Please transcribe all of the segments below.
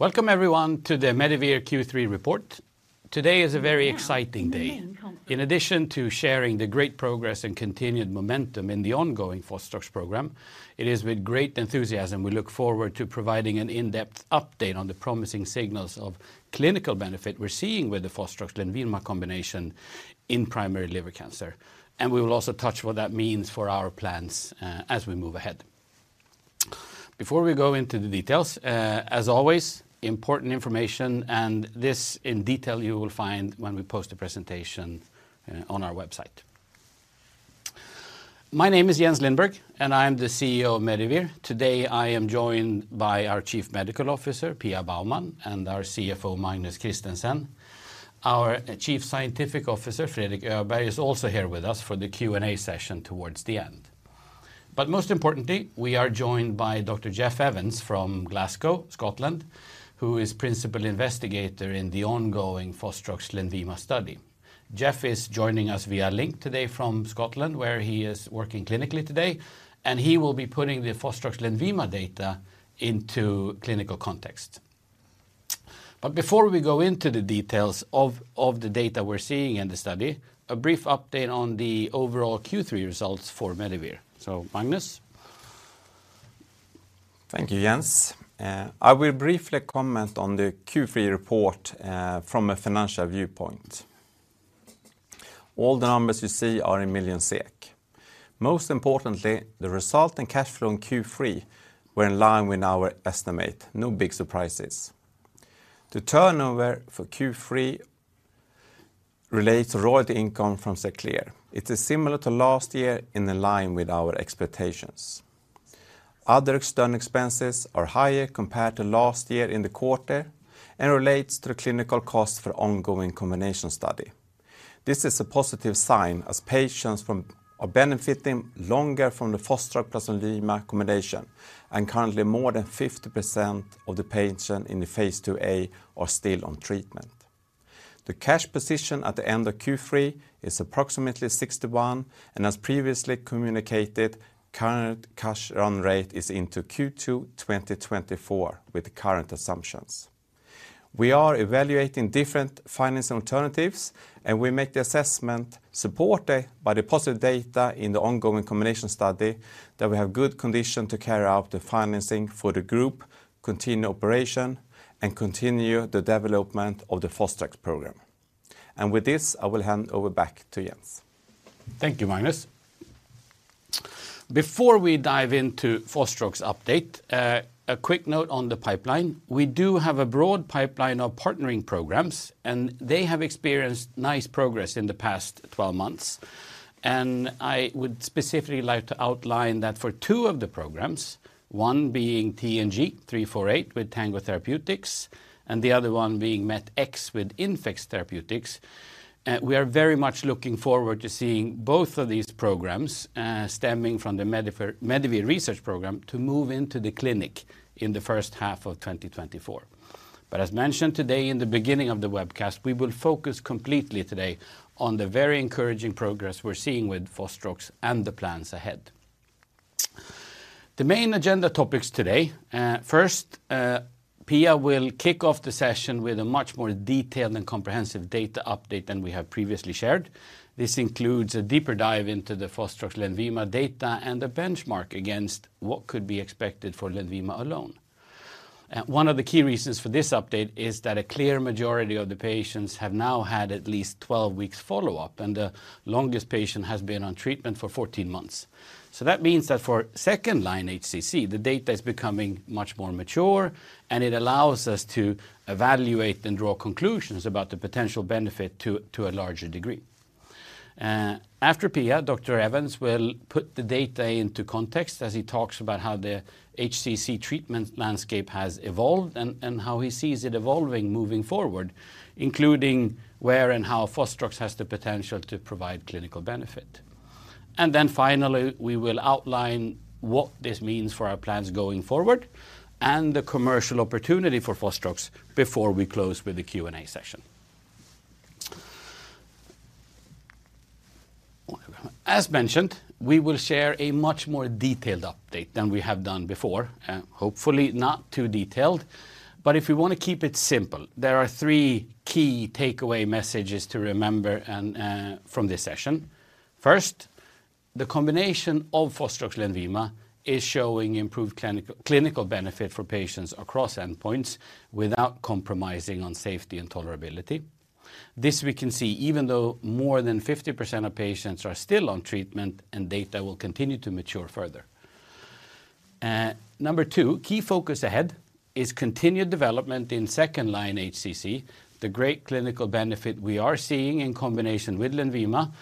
Welcome everyone to the Medivir Q3 report. Today is a very exciting day. In addition to sharing the great progress and continued momentum in the ongoing Fostrox program, it is with great enthusiasm we look forward to providing an in-depth update on the promising signals of clinical benefit we're seeing with the Fostrox Lenvima combination in primary liver cancer, and we will also touch what that means for our plans, as we move ahead. Before we go into the details, as always, important information, and this in detail you will find when we post the presentation, on our website. My name is Jens Lindberg, and I am the CEO of Medivir. Today, I am joined by our Chief Medical Officer, Pia Baumann, and our CFO, Magnus Christensen. Our Chief Scientific Officer, Fredrik Öberg, is also here with us for the Q&A session towards the end. Most importantly, we are joined by Dr. Jeff Evans from Glasgow, Scotland, who is Principal Investigator in the ongoing Fostrox Lenvima study. Jeff is joining us via link today from Scotland, where he is working clinically today, and he will be putting the Fostrox Lenvima data into clinical context. Before we go into the details of the data we're seeing in the study, a brief update on the overall Q3 results for Medivir. Magnus? Thank you, Jens. I will briefly comment on the Q3 report from a financial viewpoint. All the numbers you see are in million SEK. Most importantly, the result and cash flow in Q3 were in line with our estimate. No big surprises. The turnover for Q3 relates to royalty income from Xerclear. It is similar to last year in line with our expectations. Other external expenses are higher compared to last year in the quarter and relates to the clinical cost for ongoing combination study. This is a positive sign as patients are benefiting longer from the Fostrox plus Lenvima combination, and currently more than 50% of the patients in the phase 2a are still on treatment. The cash position at the end of Q3 is approximately 61 million, and as previously communicated, current cash run rate is into Q2 2024 with the current assumptions. We are evaluating different financing alternatives, and we make the assessment supported by the positive data in the ongoing combination study that we have good condition to carry out the financing for the group, continue operation, and continue the development of the Fostrox program. With this, I will hand over back to Jens. Thank you, Magnus. Before we dive into Fostrox update, a quick note on the pipeline. We do have a broad pipeline of partnering programs, and they have experienced nice progress in the past 12 months. I would specifically like to outline that for two of the programs, one being TNG348 with Tango Therapeutics, and the other one being MET-X with Infex Therapeutics, we are very much looking forward to seeing both of these programs, stemming from the Medivir research program, to move into the clinic in the first half of 2024. As mentioned today in the beginning of the webcast, we will focus completely today on the very encouraging progress we're seeing with Fostrox and the plans ahead. The main agenda topics today, first, Pia will kick off the session with a much more detailed and comprehensive data update than we have previously shared. This includes a deeper dive into the Fostrox Lenvima data and the benchmark against what could be expected for Lenvima alone. One of the key reasons for this update is that a clear majority of the patients have now had at least 12 weeks follow-up, and the longest patient has been on treatment for 14 months. So that means that for second-line HCC, the data is becoming much more mature, and it allows us to evaluate and draw conclusions about the potential benefit to, to a larger degree. After Pia, Dr. Evans will put the data into context as he talks about how the HCC treatment landscape has evolved and how he sees it evolving moving forward, including where and how Fostrox has the potential to provide clinical benefit. And then finally, we will outline what this means for our plans going forward and the commercial opportunity for Fostrox before we close with the Q&A session. As mentioned, we will share a much more detailed update than we have done before, hopefully not too detailed. But if you want to keep it simple, there are three key takeaway messages to remember and from this session. First, the combination of Fostrox Lenvima is showing improved clinical benefit for patients across endpoints without compromising on safety and tolerability. This we can see, even though more than 50% of patients are still on treatment, and data will continue to mature further. Number two, key focus ahead is continued development in second-line HCC. The great clinical benefit we are seeing in combination with Lenvima,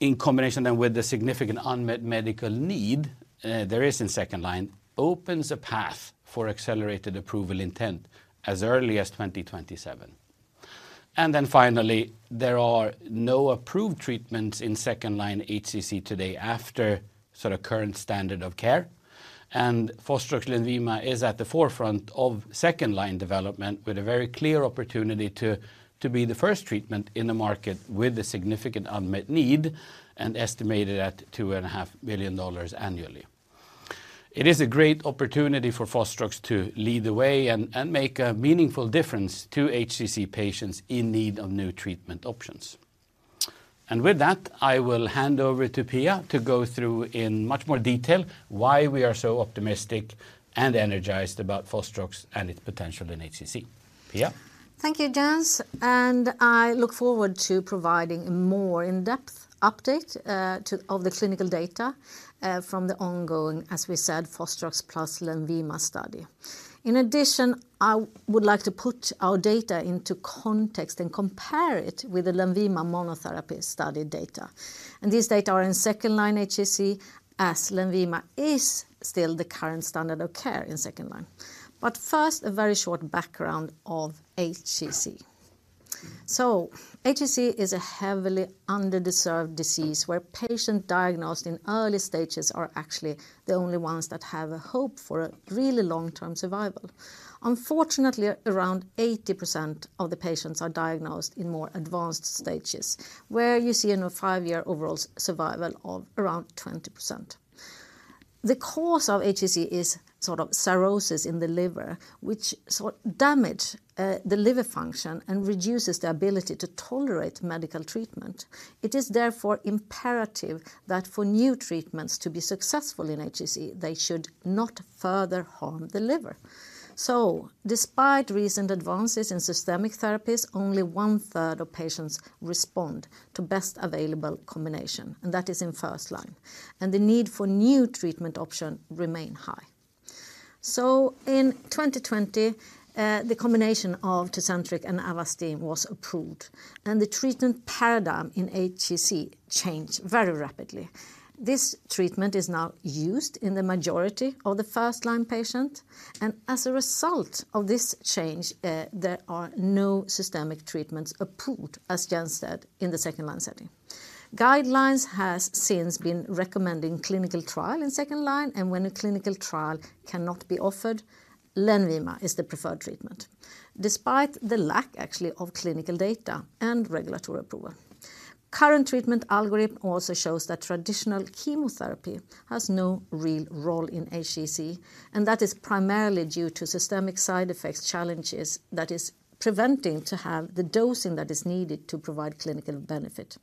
in combination then with the significant unmet medical need there is in second line, opens a path for accelerated approval intent as early as 2027. Then finally, there are no approved treatments in second-line HCC today after sort of current standard of care, and Fostrox Lenvima is at the forefront of second-line development with a very clear opportunity to be the first treatment in the market with a significant unmet need and estimated at $2.5 billion annually. It is a great opportunity for Fostrox to lead the way and make a meaningful difference to HCC patients in need of new treatment options. With that, I will hand over to Pia to go through in much more detail why we are so optimistic and energized about Fostrox and its potential in HCC. Pia? Thank you, Jens, and I look forward to providing a more in-depth update of the clinical data from the ongoing, as we said, Fostrox plus Lenvima study. In addition, I would like to put our data into context and compare it with the Lenvima monotherapy study data. These data are in second-line HCC as Lenvima is still the current standard of care in second-line. But first, a very short background of HCC. So HCC is a heavily underserved disease where patients diagnosed in early stages are actually the only ones that have a hope for a really long-term survival. Unfortunately, around 80% of the patients are diagnosed in more advanced stages, where you see a five-year overall survival of around 20%. The cause of HCC is sort of cirrhosis in the liver, which sort of damages the liver function and reduces the ability to tolerate medical treatment. It is therefore imperative that for new treatments to be successful in HCC, they should not further harm the liver. So despite recent advances in systemic therapies, only one-third of patients respond to best available combination, and that is in first line, and the need for new treatment option remain high. So in 2020, the combination of Tecentriq and Avastin was approved, and the treatment paradigm in HCC changed very rapidly. This treatment is now used in the majority of the first-line patient, and as a result of this change, there are no systemic treatments approved, as Jens said, in the second-line setting. Guidelines has since been recommending clinical trial in second line, and when a clinical trial cannot be offered, Lenvima is the preferred treatment, despite the lack, actually, of clinical data and regulatory approval. Current treatment algorithm also shows that traditional chemotherapy has no real role in HCC, and that is primarily due to systemic side effects, challenges that is preventing to have the dosing that is needed to provide clinical benefit.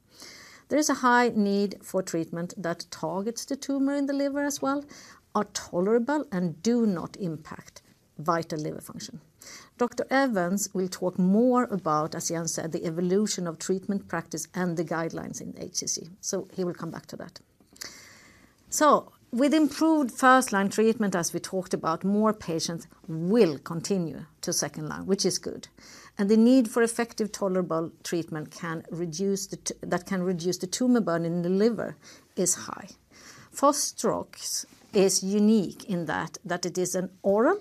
There is a high need for treatment that targets the tumor in the liver as well, are tolerable and do not impact vital liver function. Dr. Evans will talk more about, as Jens said, the evolution of treatment practice and the guidelines in HCC. So he will come back to that. So with improved first-line treatment, as we talked about, more patients will continue to second line, which is good, and the need for effective, tolerable treatment that can reduce the tumor burden in the liver is high. Fostrox is unique in that it is an oral,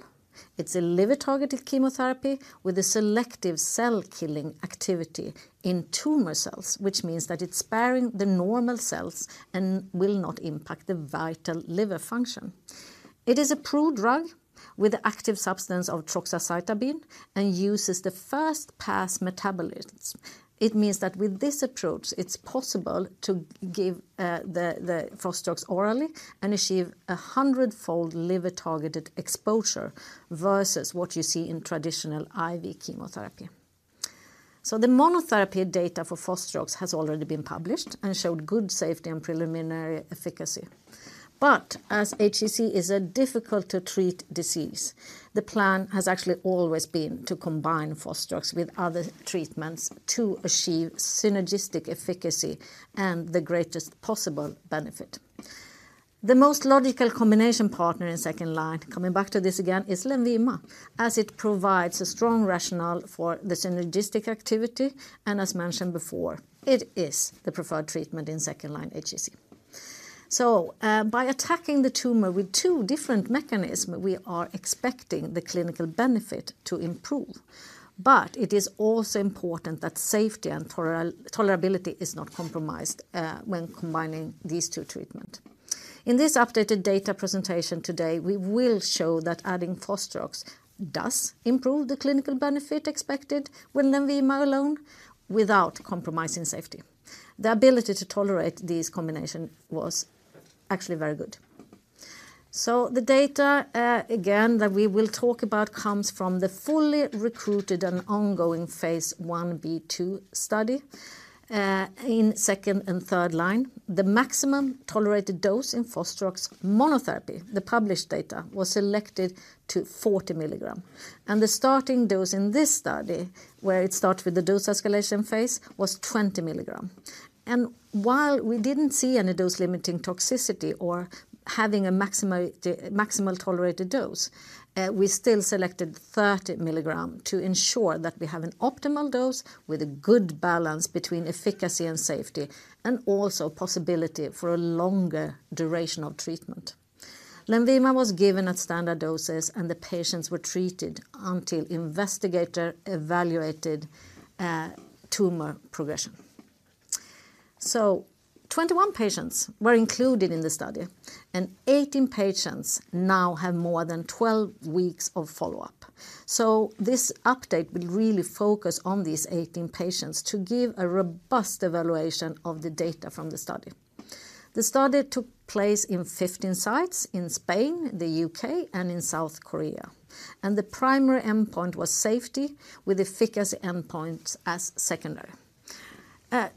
it's a liver-targeted chemotherapy with a selective cell-killing activity in tumor cells, which means that it's sparing the normal cells and will not impact the vital liver function. It is a prodrug with the active substance of troxacitabine and uses the first-pass metabolism. It means that with this approach, it's possible to give the Fostrox orally and achieve a hundredfold liver-targeted exposure versus what you see in traditional IV chemotherapy. So the monotherapy data for Fostrox has already been published and showed good safety and preliminary efficacy. But as HCC is a difficult to treat disease, the plan has actually always been to combine Fostrox with other treatments to achieve synergistic efficacy and the greatest possible benefit. The most logical combination partner in second line, coming back to this again, is Lenvima, as it provides a strong rationale for the synergistic activity, and as mentioned before, it is the preferred treatment in second-line HCC. So, by attacking the tumor with two different mechanism, we are expecting the clinical benefit to improve. But it is also important that safety and tolerability is not compromised, when combining these two treatment. In this updated data presentation today, we will show that adding Fostrox does improve the clinical benefit expected with Lenvima alone without compromising safety. The ability to tolerate these combination was actually very good. The data, again, that we will talk about comes from the fully recruited and ongoing phase 1b/2 study in second and third line. The maximum tolerated dose in Fostrox monotherapy, the published data, was selected to 240 mg, and the starting dose in this study, where it started with the dose escalation phase, was 20 mg. While we didn't see any dose-limiting toxicity or have a maximum tolerated dose, we still selected 30 mg to ensure that we have an optimal dose with a good balance between efficacy and safety, and also possibility for a longer duration of treatment. Lenvima was given at standard doses, and the patients were treated until investigator evaluated tumor progression. 21 patients were included in the study, and 18 patients now have more than 12 weeks of follow-up. So this update will really focus on these 18 patients to give a robust evaluation of the data from the study. The study took place in 15 sites in Spain, the U.K., and in South Korea. The primary endpoint was safety, with efficacy endpoints as secondary.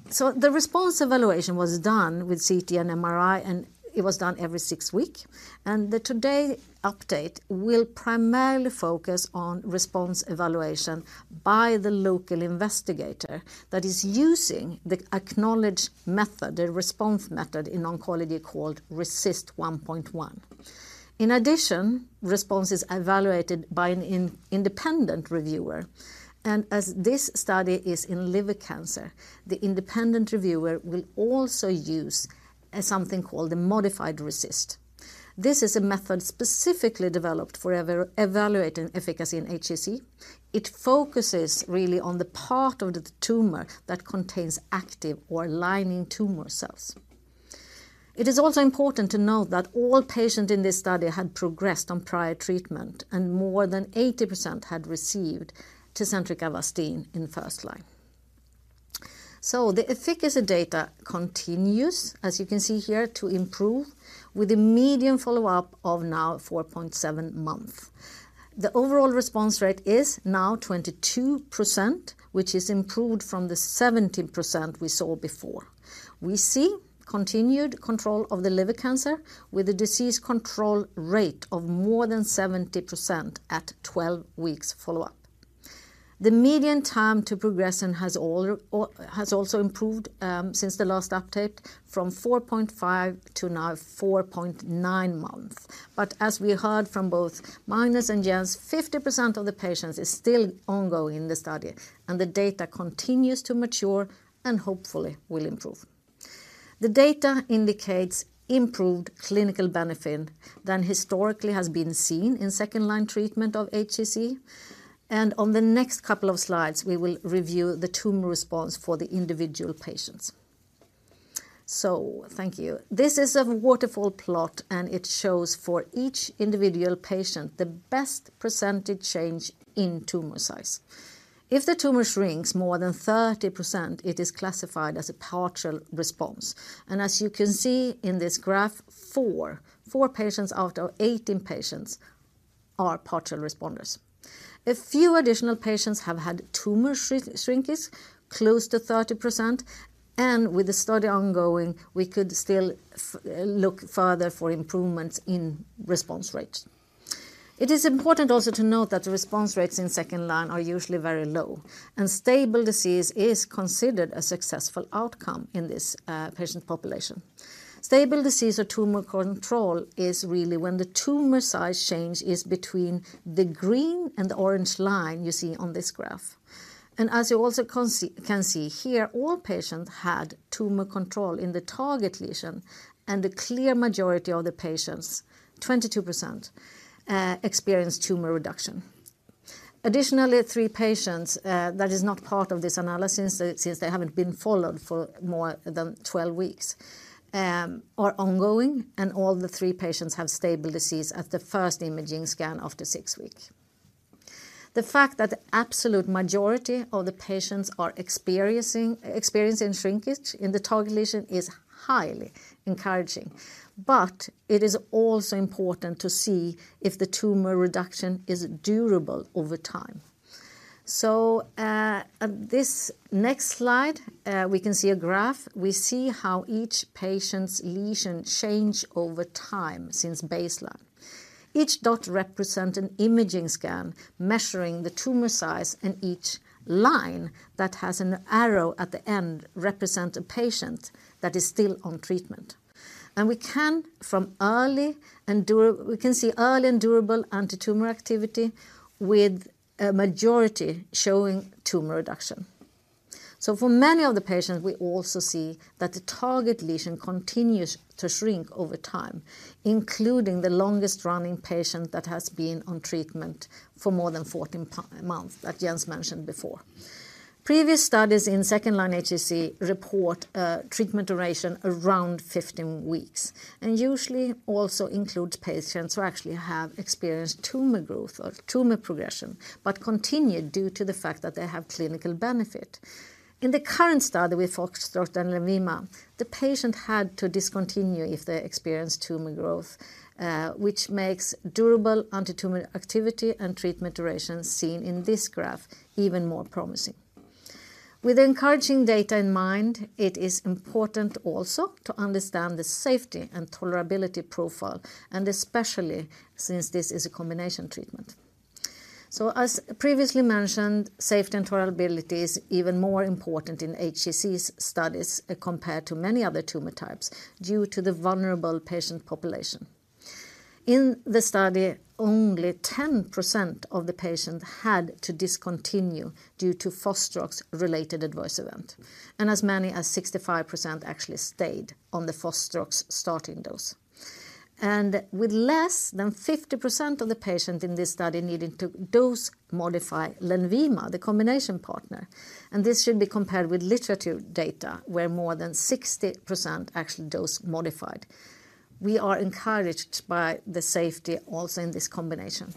So the response evaluation was done with CT and MRI, and it was done every six weeks. The today update will primarily focus on response evaluation by the local investigator that is using the acknowledged method, the response method in oncology called RECIST 1.1. In addition, response is evaluated by an independent reviewer, and as this study is in liver cancer, the independent reviewer will also use something called the modified RECIST. This is a method specifically developed for evaluating efficacy in HCC. It focuses really on the part of the tumor that contains active or lining tumor cells. It is also important to note that all patients in this study had progressed on prior treatment, and more than 80% had received Tecentriq Avastin in first line. The efficacy data continues, as you can see here, to improve with a median follow-up of now 4.7 months. The overall response rate is now 22%, which is improved from the 17% we saw before. We see continued control of the liver cancer with a disease control rate of more than 70% at 12 weeks follow-up. The median time to progression has also improved, since the last update, from 4.5 to now 4.9 months. But as we heard from both Magnus and Jens, 50% of the patients is still ongoing in the study, and the data continues to mature and hopefully will improve. The data indicates improved clinical benefit than historically has been seen in second-line treatment of HCC. On the next couple of slides, we will review the tumor response for the individual patients. So thank you. This is a waterfall plot, and it shows for each individual patient the best percentage change in tumor size. If the tumor shrinks more than 30%, it is classified as a partial response. And as you can see in this graph, four patients out of 18 patients are partial responders. A few additional patients have had tumor shrinkage close to 30%, and with the study ongoing, we could still look further for improvements in response rates. It is important also to note that the response rates in second line are usually very low, and stable disease is considered a successful outcome in this patient population. Stable disease or tumor control is really when the tumor size change is between the green and the orange line you see on this graph. And as you also can see here, all patients had tumor control in the target lesion, and the clear majority of the patients, 22%, experienced tumor reduction. Additionally, three patients that are not part of this analysis, since they haven't been followed for more than 12 weeks, are ongoing, and all the three patients have stable disease at the first imaging scan after six weeks. The fact that the absolute majority of the patients are experiencing shrinkage in the target lesion is highly encouraging. But it is also important to see if the tumor reduction is durable over time. So, at this next slide, we can see a graph. We see how each patient's lesion change over time since baseline. Each dot represent an imaging scan measuring the tumor size, and each line that has an arrow at the end represent a patient that is still on treatment. We can see early and durable antitumor activity, with a majority showing tumor reduction. So for many of the patients, we also see that the target lesion continues to shrink over time, including the longest-running patient that has been on treatment for more than 14 months, like Jens mentioned before. Previous studies in second-line HCC report, treatment duration around 15 weeks, and usually also includes patients who actually have experienced tumor growth or tumor progression, but continued due to the fact that they have clinical benefit. In the current study with Fostrox and Lenvima, the patient had to discontinue if they experienced tumor growth, which makes durable antitumor activity and treatment duration seen in this graph even more promising. With encouraging data in mind, it is important also to understand the safety and tolerability profile, and especially since this is a combination treatment. So as previously mentioned, safety and tolerability is even more important in HCC's studies compared to many other tumor types due to the vulnerable patient population. In the study, only 10% of the patients had to discontinue due to Fostrox-related adverse event, and as many as 65% actually stayed on the Fostrox starting dose. With less than 50% of the patients in this study needing to dose-modify Lenvima, the combination partner, this should be compared with literature data, where more than 60% actually dose modified. We are encouraged by the safety also in this combination.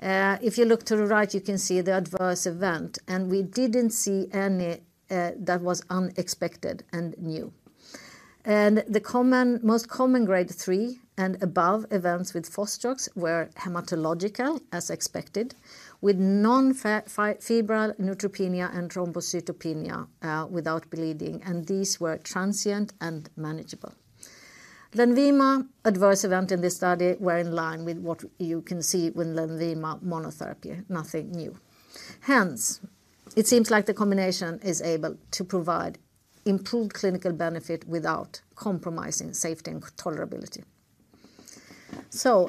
If you look to the right, you can see the adverse event, and we didn't see any that was unexpected and new. The most common grade three and above events with Fostrox were hematological, as expected, with non-febrile neutropenia and thrombocytopenia, without bleeding, and these were transient and manageable. Lenvima adverse event in this study were in line with what you can see with Lenvima monotherapy, nothing new. Hence, it seems like the combination is able to provide improved clinical benefit without compromising safety and tolerability.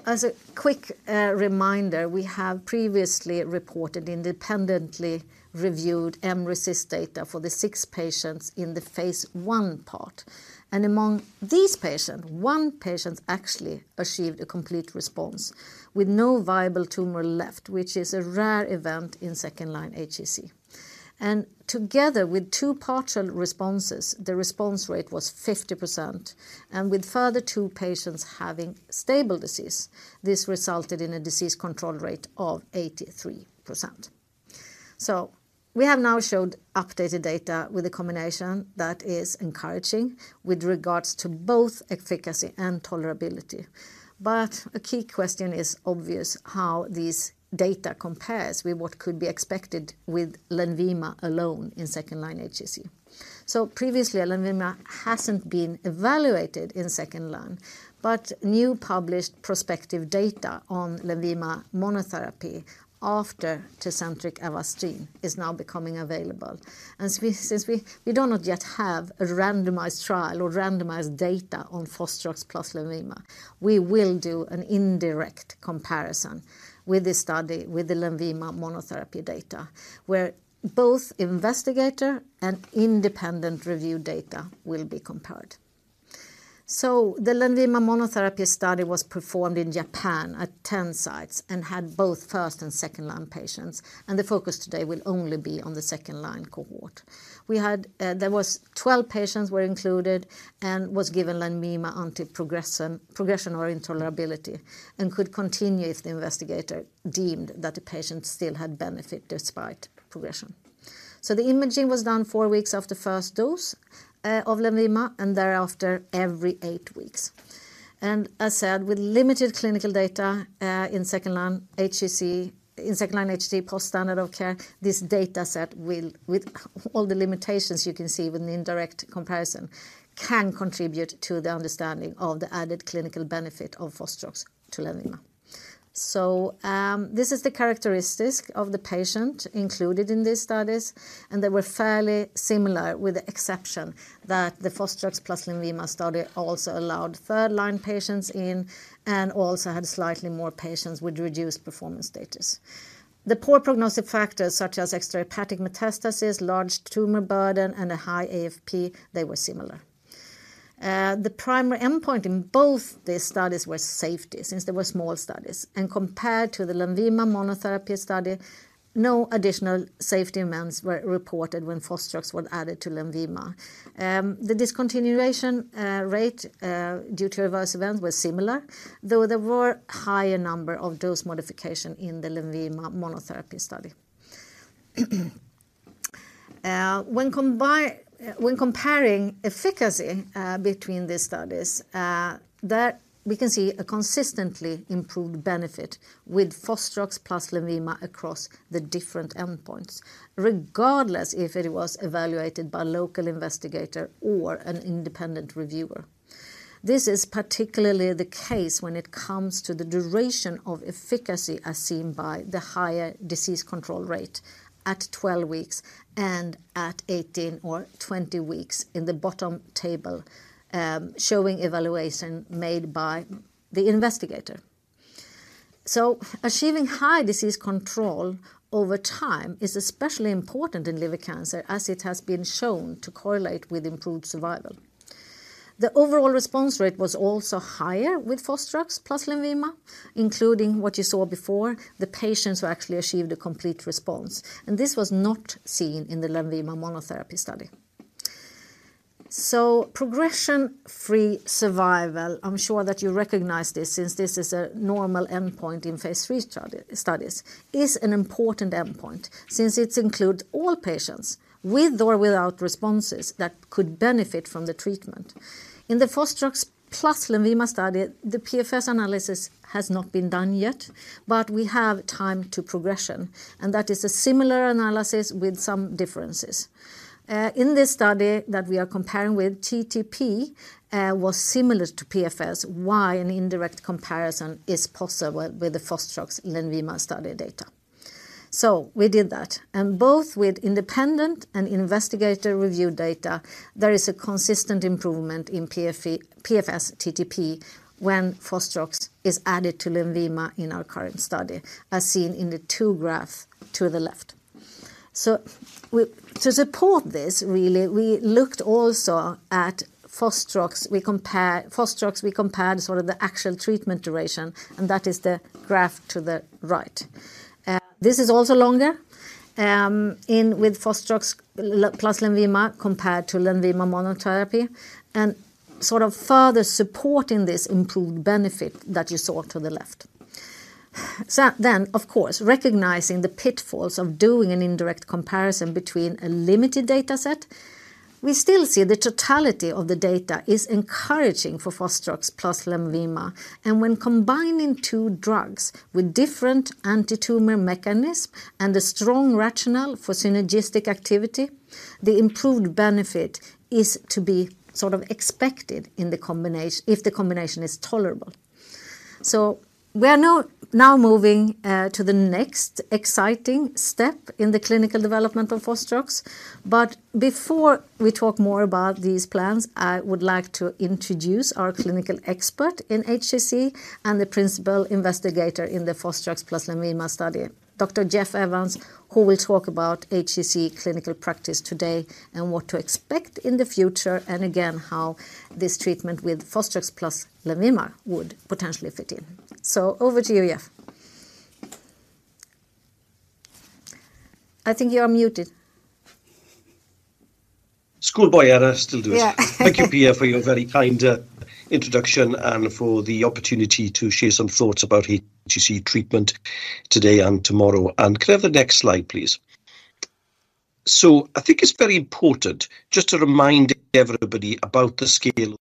As a quick reminder, we have previously reported independently reviewed mRECIST data for the six patients in the phase one part. Among these patients, one patient actually achieved a complete response with no viable tumor left, which is a rare event in second-line HCC. Together with two partial responses, the response rate was 50%, and with a further two patients having stable disease, this resulted in a disease control rate of 83%. We have now showed updated data with a combination that is encouraging with regards to both efficacy and tolerability. A key question is obvious, how this data compares with what could be expected with Lenvima alone in second-line HCC. Previously, Lenvima hasn't been evaluated in second line, but new published prospective data on Lenvima monotherapy after Tecentriq Avastin is now becoming available. Since we do not yet have a randomized trial or randomized data on Fostrox plus Lenvima, we will do an indirect comparison with this study, with the Lenvima monotherapy data, where both investigator and independent review data will be compared. The Lenvima monotherapy study was performed in Japan at 10 sites and had both first and second-line patients, and the focus today will only be on the second-line cohort. There were 12 patients included and given Lenvima until progression or intolerability, and could continue if the investigator deemed that the patient still had benefit despite progression. The imaging was done four weeks after first dose of Lenvima, and thereafter every eight weeks. As said, with limited clinical data, in second-line HCC, in second-line HCC post-standard of care, this data set will, with all the limitations you can see with an indirect comparison, can contribute to the understanding of the added clinical benefit of Fostrox to Lenvima. So, this is the characteristics of the patient included in these studies, and they were fairly similar, with the exception that the Fostrox plus Lenvima study also allowed third-line patients in and also had slightly more patients with reduced performance status. The poor prognostic factors, such as extrahepatic metastasis, large tumor burden, and a high AFP, they were similar. The primary endpoint in both these studies were safety, since they were small studies. Compared to the Lenvima monotherapy study, no additional safety events were reported when Fostrox was added to Lenvima. The discontinuation rate due to adverse events was similar, though there were higher number of dose modification in the Lenvima monotherapy study. When comparing efficacy between these studies, there we can see a consistently improved benefit with Fostrox plus Lenvima across the different endpoints, regardless if it was evaluated by a local investigator or an independent reviewer. This is particularly the case when it comes to the duration of efficacy, as seen by the higher disease control rate at 12 weeks and at 18 or 20 weeks in the bottom table, showing evaluation made by the investigator. So achieving high disease control over time is especially important in liver cancer, as it has been shown to correlate with improved survival. The overall response rate was also higher with Fostrox plus Lenvima, including what you saw before, the patients who actually achieved a complete response, and this was not seen in the Lenvima monotherapy study. So progression-free survival, I'm sure that you recognize this, since this is a normal endpoint in Phase 3 studies, is an important endpoint, since it includes all patients with or without responses that could benefit from the treatment. In the Fostrox plus Lenvima study, the PFS analysis has not been done yet, but we have time to progression, and that is a similar analysis with some differences. In this study that we are comparing with, TTP was similar to PFS, why an indirect comparison is possible with the Fostrox Lenvima study data. We did that, and both with independent and investigator review data, there is a consistent improvement in PFS, TTP when Fostrox is added to Lenvima in our current study, as seen in the two graphs to the left. To support this, really, we looked also at Fostrox. We compared sort of the actual treatment duration, and that is the graph to the right. This is also longer with Fostrox plus Lenvima compared to Lenvima monotherapy, and sort of further supporting this improved benefit that you saw to the left. Of course, recognizing the pitfalls of doing an indirect comparison between a limited data set, we still see the totality of the data is encouraging for Fostrox plus Lenvima. And when combining two drugs with different antitumor mechanisms and a strong rationale for synergistic activity, the improved benefit is to be sort of expected in the combination if the combination is tolerable. So we are now, now moving to the next exciting step in the clinical development of Fostrox. But before we talk more about these plans, I would like to introduce our clinical expert in HCC and the principal investigator in the Fostrox plus Lenvima study, Dr. Jeff Evans, who will talk about HCC clinical practice today and what to expect in the future, and again, how this treatment with Fostrox plus Lenvima would potentially fit in. So over to you, Jeff. I think you are muted. Schoolboy error, still do it. Yeah. Thank you, Pia, for your very kind introduction and for the opportunity to share some thoughts about HCC treatment today and tomorrow. And could I have the next slide, please? So I think it's very important just to remind everybody about the scale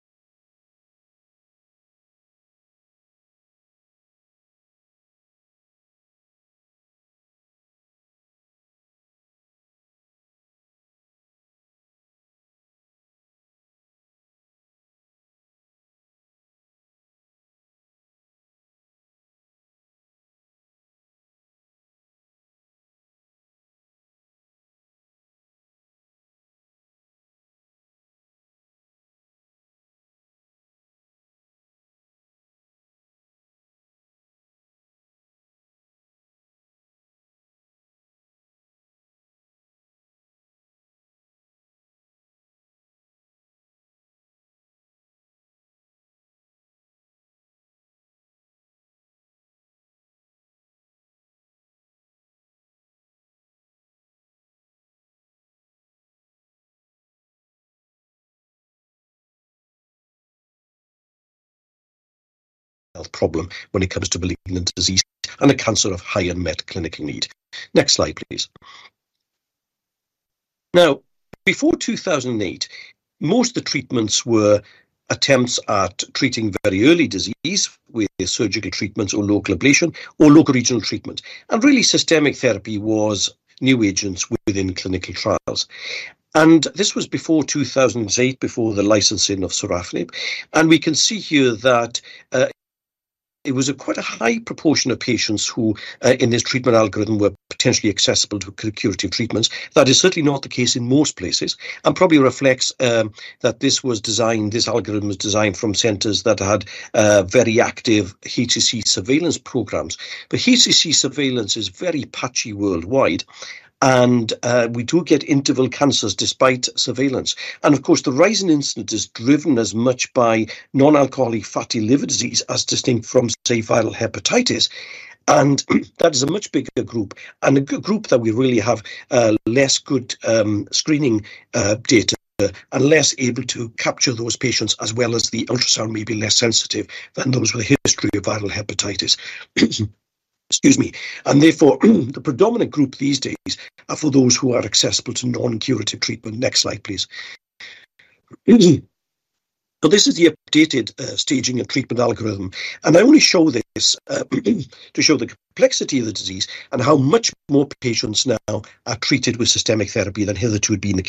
of the health problem when it comes to malignant disease and a cancer of high unmet clinical need. Next slide, please. Now, before 2008, most of the treatments were attempts at treating very early disease with surgical treatments or local ablation or local regional treatment, and really, systemic therapy was new agents within clinical trials. And this was before 2008, before the licensing of sorafenib, and we can see here that it was quite a high proportion of patients who in this treatment algorithm were potentially accessible to curative treatments. That is certainly not the case in most places, and probably reflects that this was designed, this algorithm was designed from centers that had very active HCC surveillance programs. But HCC surveillance is very patchy worldwide, and we do get interval cancers despite surveillance. And of course, the rising incidence is driven as much by non-alcoholic fatty liver disease as distinct from, say, viral hepatitis. And that is a much bigger group and a group that we really have less good screening data and less able to capture those patients as well as the ultrasound may be less sensitive than those with a history of viral hepatitis. Excuse me. And therefore, the predominant group these days are for those who are accessible to non-curative treatment. Next slide, please. So this is the updated staging and treatment algorithm, and I only show this to show the complexity of the disease and how much more patients now are treated with systemic therapy than hitherto had been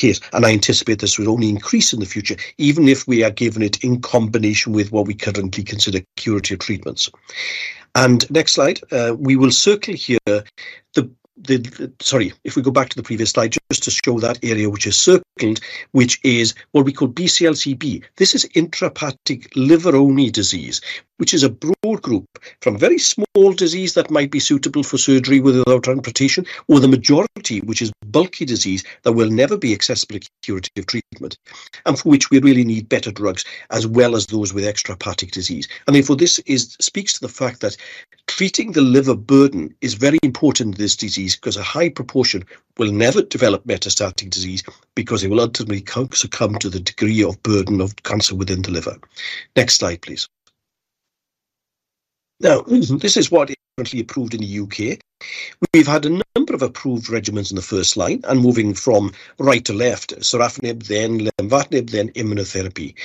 the case. And I anticipate this will only increase in the future, even if we are giving it in combination with what we currently consider curative treatments. And next slide. We will circle here the—sorry, if we go back to the previous slide, just to show that area which is circled, which is what we call BCLC-B. This is intrahepatic liver-only disease, which is a broad group from very small disease that might be suitable for surgery without transplantation, or the majority, which is bulky disease that will never be accessible to curative treatment, and for which we really need better drugs, as well as those with extrahepatic disease. And therefore, this is, speaks to the fact that treating the liver burden is very important in this disease, because a high proportion will never develop metastatic disease, because they will ultimately succumb to the degree of burden of cancer within the liver. Next slide, please. Now, this is what is currently approved in the U.K. We've had a number of approved regimens in the first line, and moving from right to left, sorafenib, then lenvatinib, then immunotherapy.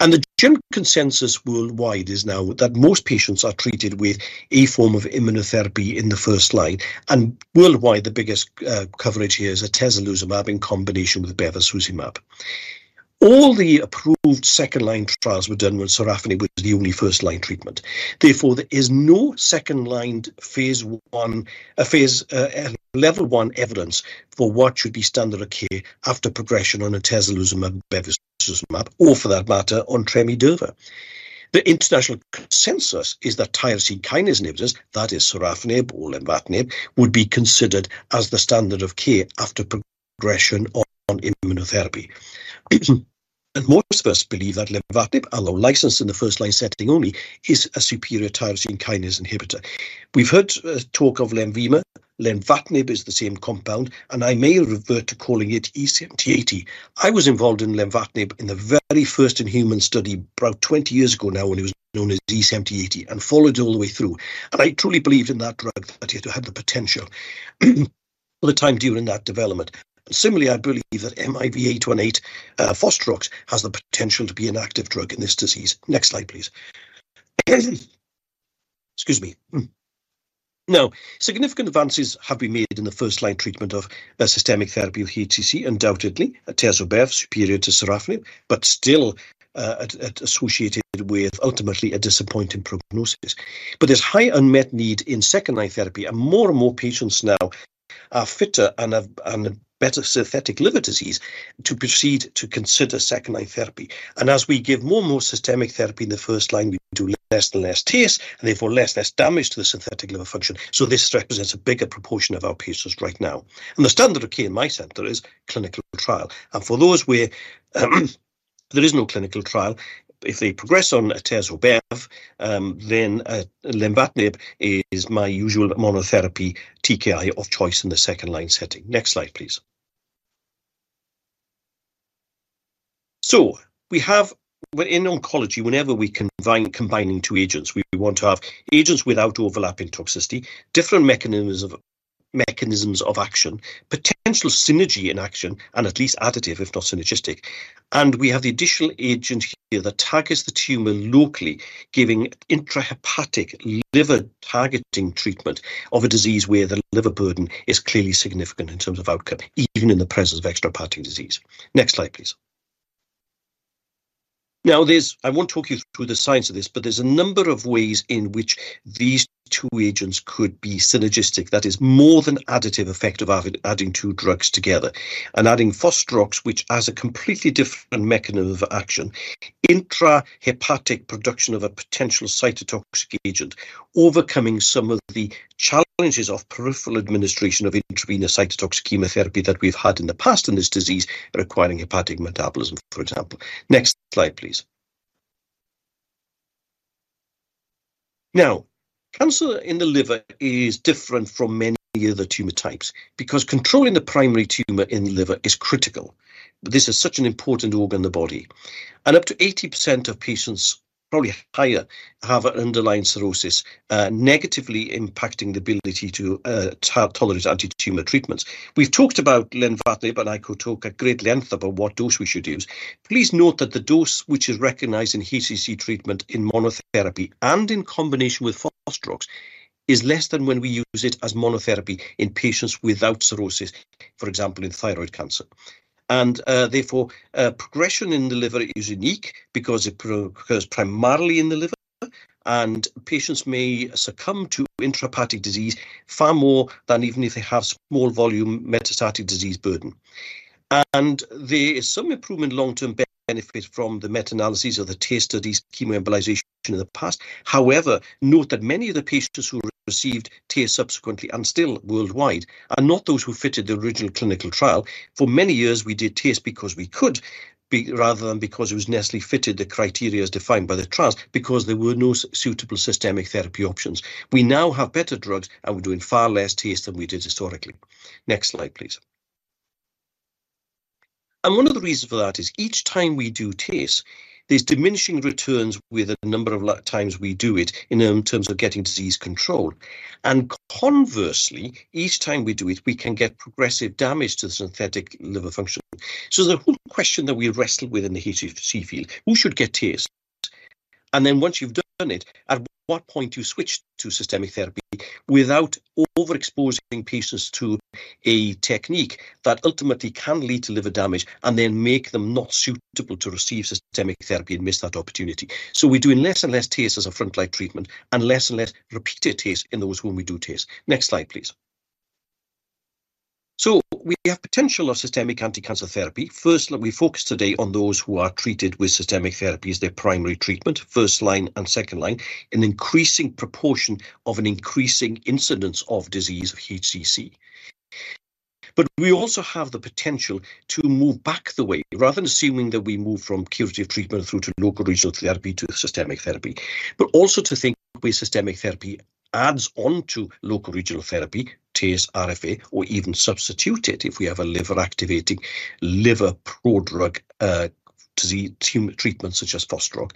And the general consensus worldwide is now that most patients are treated with a form of immunotherapy in the first line, and worldwide, the biggest coverage here is atezolizumab in combination with bevacizumab. All the approved second-line trials were done when sorafenib was the only first-line treatment. Therefore, there is no second-line phase one level one evidence for what should be standard of care after progression on atezolizumab and bevacizumab, or for that matter, on tremelimumab. The international consensus is that tyrosine kinase inhibitors, that is sorafenib or lenvatinib, would be considered as the standard of care after progression on immunotherapy.... and most of us believe that lenvatinib, although licensed in the first-line setting only, is a superior tyrosine kinase inhibitor. We've heard talk of Lenvima. Lenvatinib is the same compound, and I may revert to calling it E7080. I was involved in lenvatinib in the very first in-human study about 20 years ago now, when it was known as E7080, and followed it all the way through, and I truly believed in that drug, that it had the potential, all the time during that development. And similarly, I believe that MIV-828, Fostrox, has the potential to be an active drug in this disease. Next slide, please. Excuse me. Now, significant So we have potential of systemic anti-cancer therapy. First, let me focus today on those who are treated with systemic therapy as their primary treatment, first line and second line, an increasing proportion of an increasing incidence of disease of HCC. But we also have the potential to move back the way, rather than assuming that we move from curative treatment through to local regional therapy to systemic therapy, but also to think where systemic therapy adds on to local regional therapy, TACE, RFA, or even substitute it if we have a liver-activating, liver-pro drug to the treatment, such as Fostrox.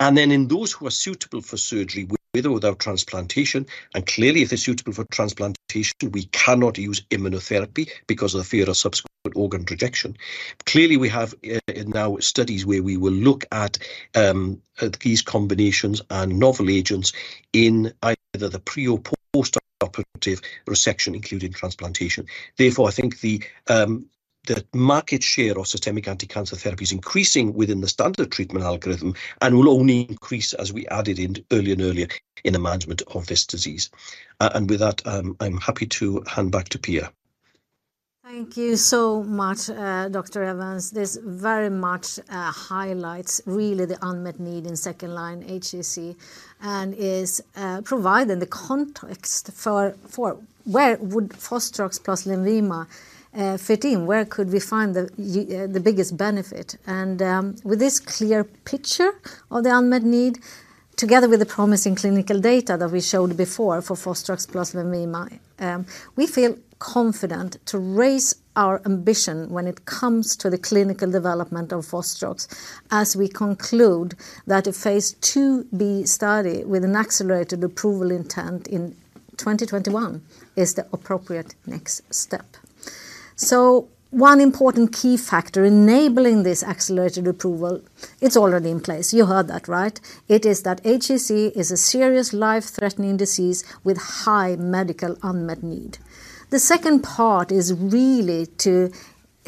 And then in those who are suitable for surgery, with or without transplantation, and clearly, if they're suitable for transplantation, we cannot use immunotherapy because of the fear of subsequent organ rejection. Clearly, we have now studies where we will look at these combinations and novel agents in either the pre or post-operative resection, including transplantation. Therefore, I think the market share of systemic anti-cancer therapy is increasing within the standard treatment algorithm and will only increase as we add it in earlier and earlier in the management of this disease. And with that, I'm happy to hand back to Pia. Thank you so much, Dr. Evans. This very much highlights really the unmet need in second-line HCC and is providing the context for where would Fostrox plus Lenvima fit in? Where could we find the biggest benefit? With this clear picture of the unmet need together with the promising clinical data that we showed before for Fostrox plus Lenvima, we feel confident to raise our ambition when it comes to the clinical development of Fostrox, as we conclude that a Phase 2b study with an accelerated approval intent in 2021 is the appropriate next step. So one important key factor enabling this accelerated approval, it's already in place. You heard that, right? It is that HCC is a serious life-threatening disease with high medical unmet need. The second part is really to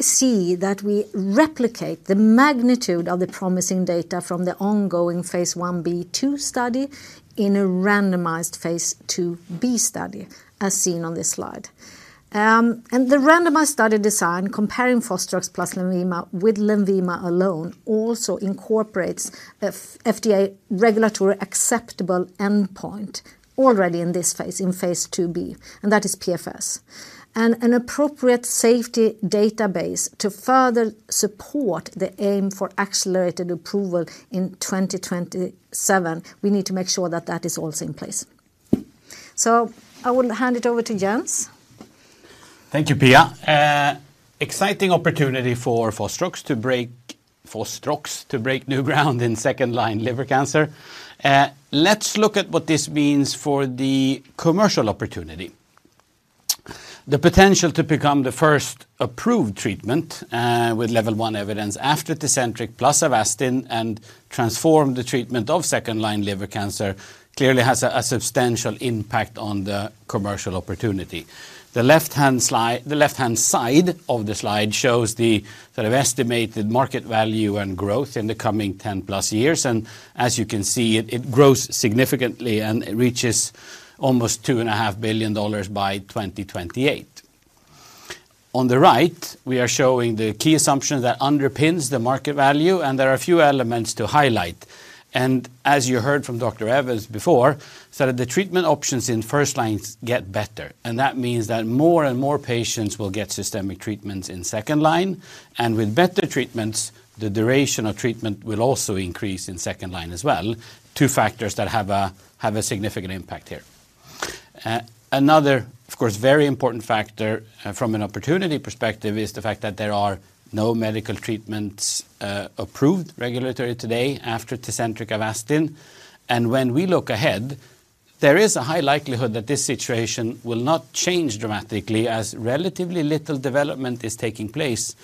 see that we replicate the magnitude of the promising data from the ongoing phase 1b/2 study in a randomized Phase 2b study, as seen on this slide. The randomized study design, comparing Fostrox plus Lenvima with Lenvima alone, also incorporates a FDA regulatory acceptable endpoint already in this phase, in Phase 2b, and that is PFS. An appropriate safety database to further support the aim for accelerated approval in 2027, we need to make sure that that is also in place. I would hand it over to Jens. Thank you, Pia. Exciting opportunity for Fostrox to break new ground in second-line liver cancer. Let's look at what this means for the commercial opportunity. The potential to become the first approved treatment with level one evidence after Tecentriq plus Avastin, and transform the treatment of second-line liver cancer, clearly has a substantial impact on the commercial opportunity. The left-hand slide, the left-hand side of the slide shows the sort of estimated market value and growth in the coming 10+ years, and as you can see, it grows significantly, and it reaches almost $2.5 billion by 2028. On the right, we are showing the key assumptions that underpins the market value, and there are a few elements to highlight. As you heard from Dr. Evans before, so that the treatment options in first line get better, and that means that more and more patients will get systemic treatments in second line, and with better treatments, the duration of treatment will also increase in second line as well. Two factors that have a significant impact here. Another, of course, very important factor, from an opportunity perspective is the fact that there are no medical treatments, approved regulatory today after Tecentriq Avastin. And when we look ahead, there is a high likelihood that this situation will not change dramatically, as relatively little development is taking place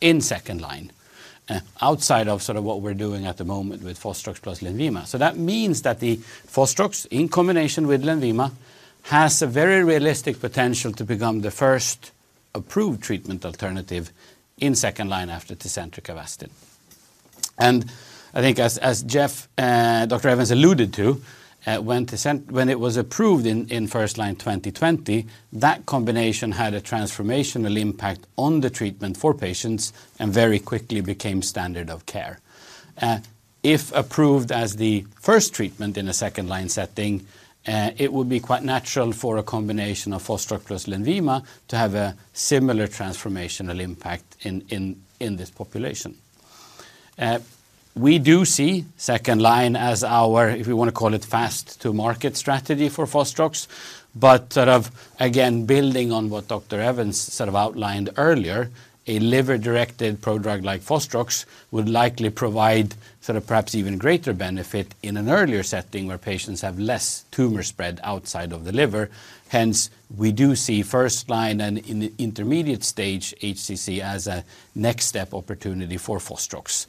in second line, outside of sort of what we're doing at the moment with Fostrox plus Lenvima. So that means that the Fostrox, in combination with Lenvima, has a very realistic potential to become the first approved treatment alternative in second line after Tecentriq Avastin. I think as Jeff, Dr. Evans alluded to, when it was approved in first line 2020, that combination had a transformational impact on the treatment for patients and very quickly became standard of care. If approved as the first treatment in a second line setting, it would be quite natural for a combination of Fostrox plus Lenvima to have a similar transformational impact in this population. We do see second line as our, if you wanna call it, fast to market strategy for Fostrox. Sort of again, building on what Dr. Evans sort of outlined earlier, a liver-directed prodrug like Fostrox would likely provide sort of perhaps even greater benefit in an earlier setting where patients have less tumor spread outside of the liver. Hence, we do see first line and in the intermediate stage, HCC as a next step opportunity for Fostrox.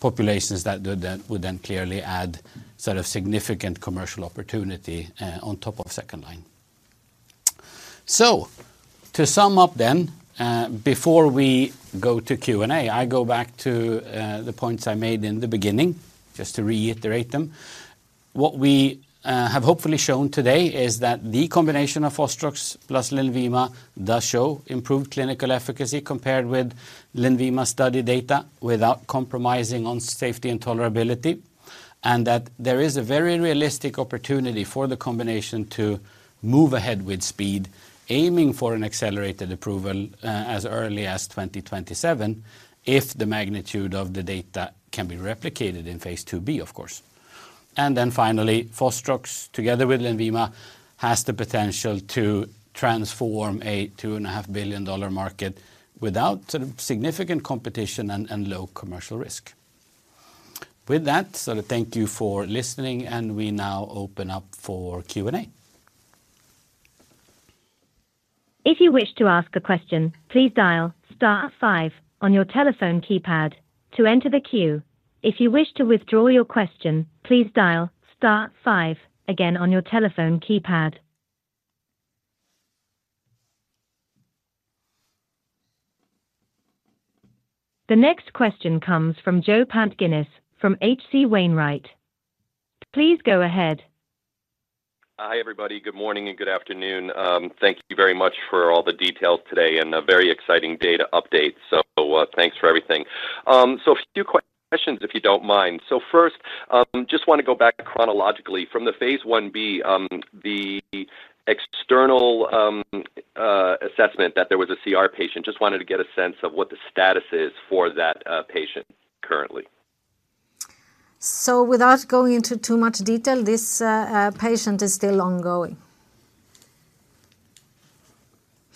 Populations that would then clearly add sort of significant commercial opportunity on top of second line. So to sum up then, before we go to Q&A, I go back to the points I made in the beginning, just to reiterate them. What we have hopefully shown today is that the combination of Fostrox plus Lenvima does show improved clinical efficacy compared with Lenvima study data, without compromising on safety and tolerability, and that there is a very realistic opportunity for the combination to move ahead with speed, aiming for an accelerated approval, as early as 2027, if the magnitude of the data can be replicated in Phase 2b, of course. And then finally, Fostrox, together with Lenvima, has the potential to transform a $2.5 billion market without sort of significant competition and low commercial risk. With that, sort of thank you for listening, and we now open up for Q&A. If you wish to ask a question, please dial star five on your telephone keypad to enter the queue. If you wish to withdraw your question, please dial star five again on your telephone keypad. The next question comes from Joe Pantginis from H.C. Wainwright. Please go ahead. Hi, everybody. Good morning and good afternoon. Thank you very much for all the details today and a very exciting data update. So, thanks for everything. So a few questions, if you don't mind. So first, just want to go back chronologically from the phase 1b, the external assessment that there was a CR patient. Just wanted to get a sense of what the status is for that patient currently. Without going into too much detail, this patient is still ongoing....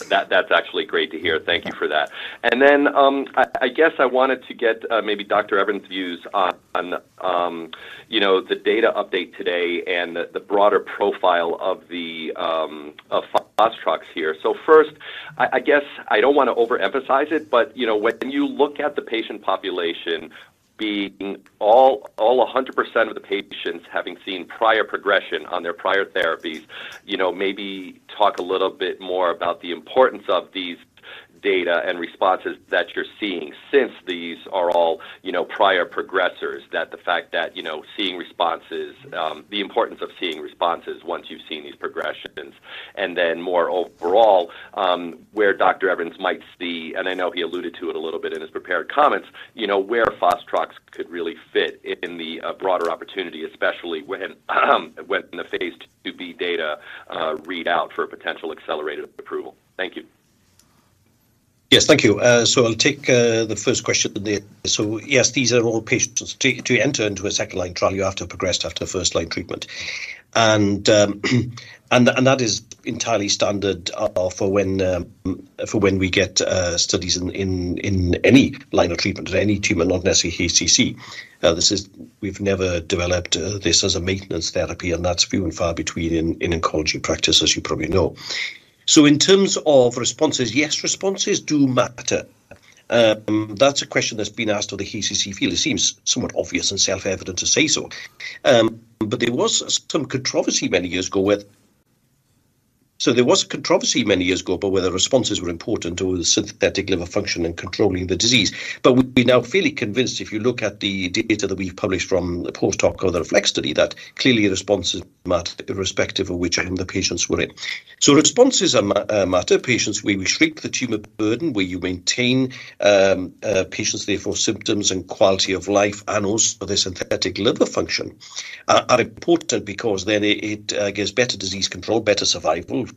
That, that's actually great to hear. Thank you for that. And then, I guess I wanted to get, maybe Dr. Evans' views on, you know, the data update today and the broader profile of the of Fostrox here. So first, I guess I don't want to overemphasize it, but, you know, when you look at the patient population being all 100% of the patients having seen prior progression on their prior therapies, you know, maybe talk a little bit more about the importance of these data and responses that you're seeing since these are all, you know, prior progressors. That the fact that, you know, seeing responses, the importance of seeing responses once you've seen these progressions. And then more overall, where Dr. Evans might see, and I know he alluded to it a little bit in his prepared comments, you know, where Fostrox could really fit in the broader opportunity, especially when the Phase 2b data read out for a potential accelerated approval. Thank you. Yes, thank you. So I'll take the first question today. So yes, these are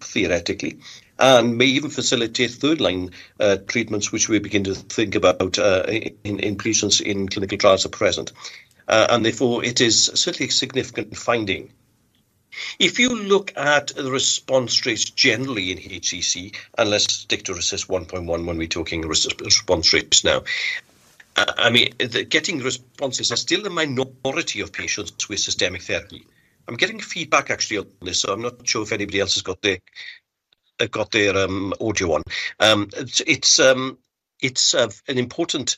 theoretically, and may even facilitate third-line treatments, which we begin to think about in patients in clinical trials at present. And therefore, it is certainly a significant finding. If you look at the response rates generally in HCC, and let's stick to RECIST 1.1 when we're talking response rates now, I mean, the getting responses are still the minority of patients with systemic therapy. I'm getting feedback, actually, on this, so I'm not sure if anybody else has got their audio on. It's an important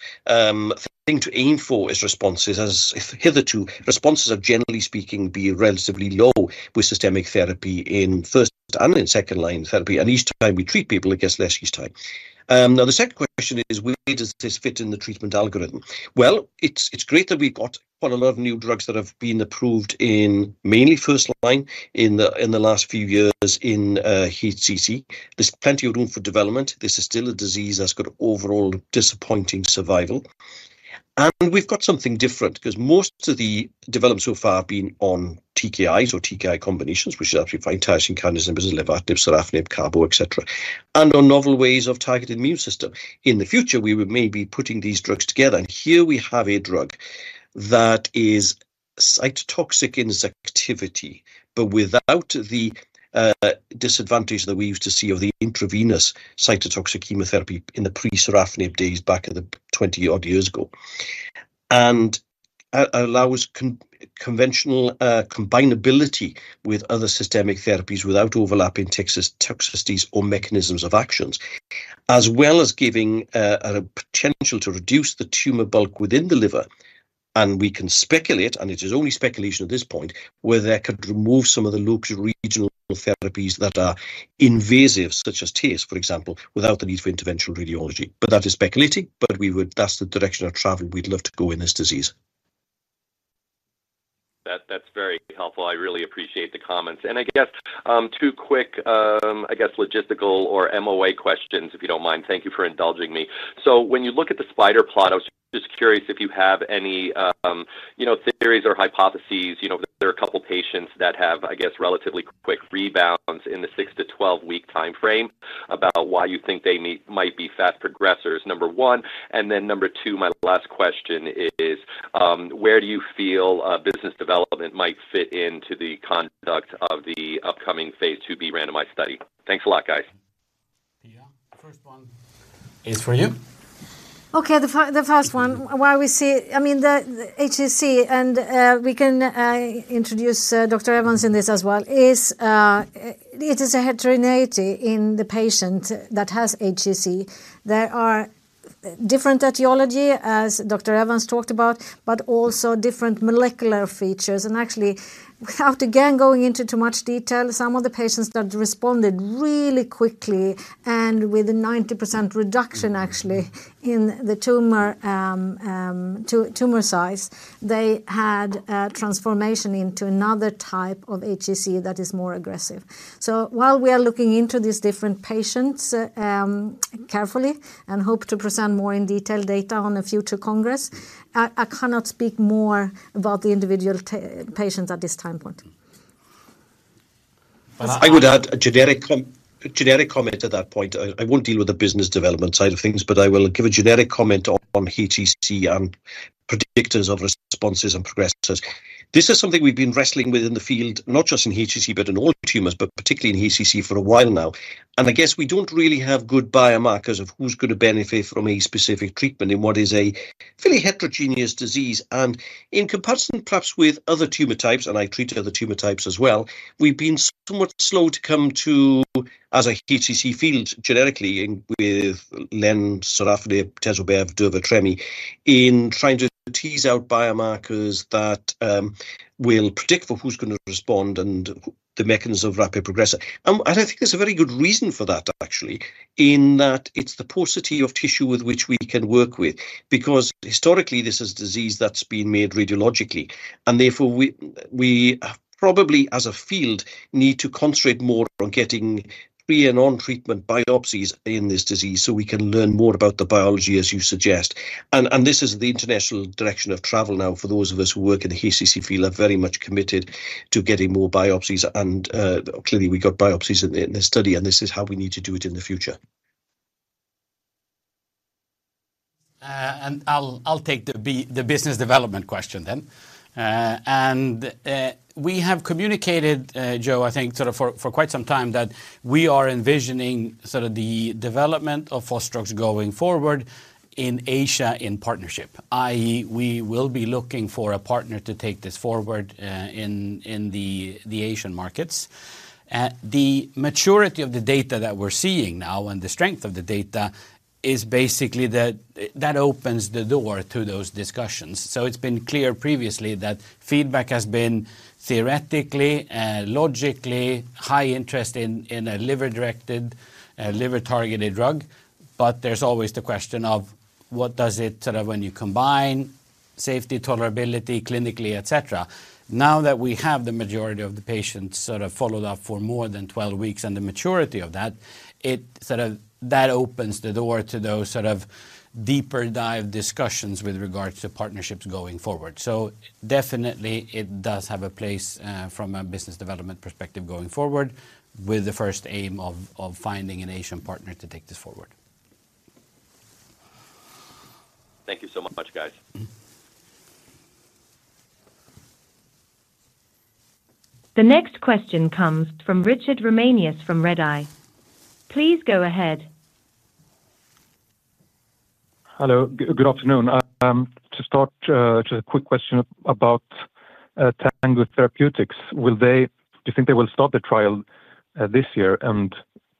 thing to aim for is responses, as if hitherto, responses are generally speaking be relatively low with systemic therapy in first and in second-line therapy, and each time we treat people, it gets less each time. Now, the second question is: where does this fit in the treatment algorithm? Well, it's great that we've got quite a lot of new drugs that have been approved in mainly first line in the last few years in HCC. There's plenty of room for development. This is still a disease that's got overall disappointing survival. We've got something different because most of the development so far have been on TKIs or TKI combinations, which is actually quite interesting, regorafenib, lenvatinib, sorafenib, cabozantinib, et cetera, and on novel ways of targeting the immune system. In the future, we would may be putting these drugs together, and here we have a drug that is cytotoxic in its activity, but without the disadvantage that we used to see of the intravenous cytotoxic chemotherapy in the pre-sorafenib days back in the 20-odd years ago. allows conventional combinability with other systemic therapies without overlapping toxicities or mechanisms of actions, as well as giving a potential to reduce the tumor bulk within the liver. We can speculate, and it is only speculation at this point, whether that could remove some of the local regional therapies that are invasive, such as TACE, for example, without the need for interventional radiology. But that is speculating, but that's the direction of travel we'd love to go in this disease. That, that's very helpful. I really appreciate the comments. And I guess, two quick, I guess, logistical or MOA questions, if you don't mind. Thank you for indulging me. So when you look at the spider plot, I was just curious if you have any, you know, theories or hypotheses, you know, there are a couple of patients that have, I guess, relatively quick rebounds in the 6-12-week time frame, about why you think they might be fast progressors, number one. And then number two, my last question is, where do you feel, business development might fit into the conduct of the upcoming Phase 2b randomized study? Thanks a lot, guys. Yeah. First one is for you. Okay, why we see... I mean, the HCC, and we can introduce Dr. Evans in this as well, is it a heterogeneity in the patient that has HCC. There are different etiology, as Dr. Evans talked about, but also different molecular features. And actually, without again going into too much detail, some of the patients that responded really quickly and with a 90% reduction, actually, in the tumor, tumor size, they had a transformation into another type of HCC that is more aggressive. So while we are looking into these different patients, carefully and hope to present more in-detail data on a future congress, I cannot speak more about the individual patients at this time point. I would add a generic comment at that point. I won't deal with the business development side of things, but I will give a generic comment on HCC and predictors of responses and progressors. This is something we've been wrestling with in the field, not just in HCC, but in all tumors, but particularly in HCC for pre- and on-treatment biopsies in this disease so we can learn more about the biology, as you suggest. And this is the international direction of travel now for those of us who work in the HCC field are very much committed to getting more biopsies and, clearly, we got biopsies in the, in this study, and this is how we need to do it in the future. And I'll take the business development question then. We have communicated, Joe, I think sort of for quite some time, that we are envisioning sort of the development of Fostrox going forward in Asia in partnership, i.e., we will be looking for a partner to take this forward, in the Asian markets. The maturity of the data that we're seeing now and the strength of the data is basically that opens the door to those discussions. So it's been clear previously that feedback has been theoretically and logically high interest in a liver-directed, a liver-targeted drug, but there's always the question of what does it sort of when you combine safety, tolerability, clinically, et cetera. Now that we have the majority of the patients sort of followed up for more than 12 weeks, and the maturity of that, it sort of, that opens the door to those sort of deeper dive discussions with regards to partnerships going forward. So definitely, it does have a place from a business development perspective going forward, with the first aim of finding an Asian partner to take this forward. Thank you so much, guys. The next question comes from Richard Ramanius from Redeye. Please go ahead. Hello. Good afternoon. To start, just a quick question about Tango Therapeutics. Will they do you think they will start the trial this year, and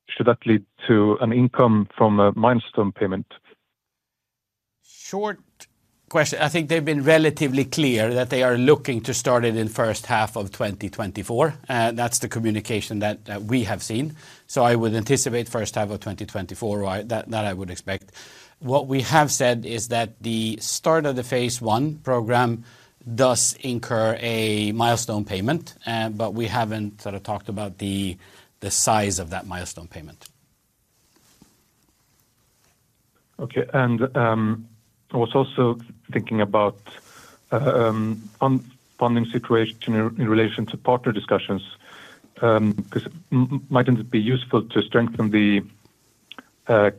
should that lead to an income from a milestone payment? Short question. I think they've been relatively clear that they are looking to start it in first half of 2024, and that's the communication that we have seen. So I would anticipate first half of 2024, right? That I would expect. What we have said is that the start of the Phase I program does incur a milestone payment, but we haven't sort of talked about the size of that milestone payment. Okay, and I was also thinking about funding situation in relation to partner discussions. 'Cause mightn't it be useful to strengthen the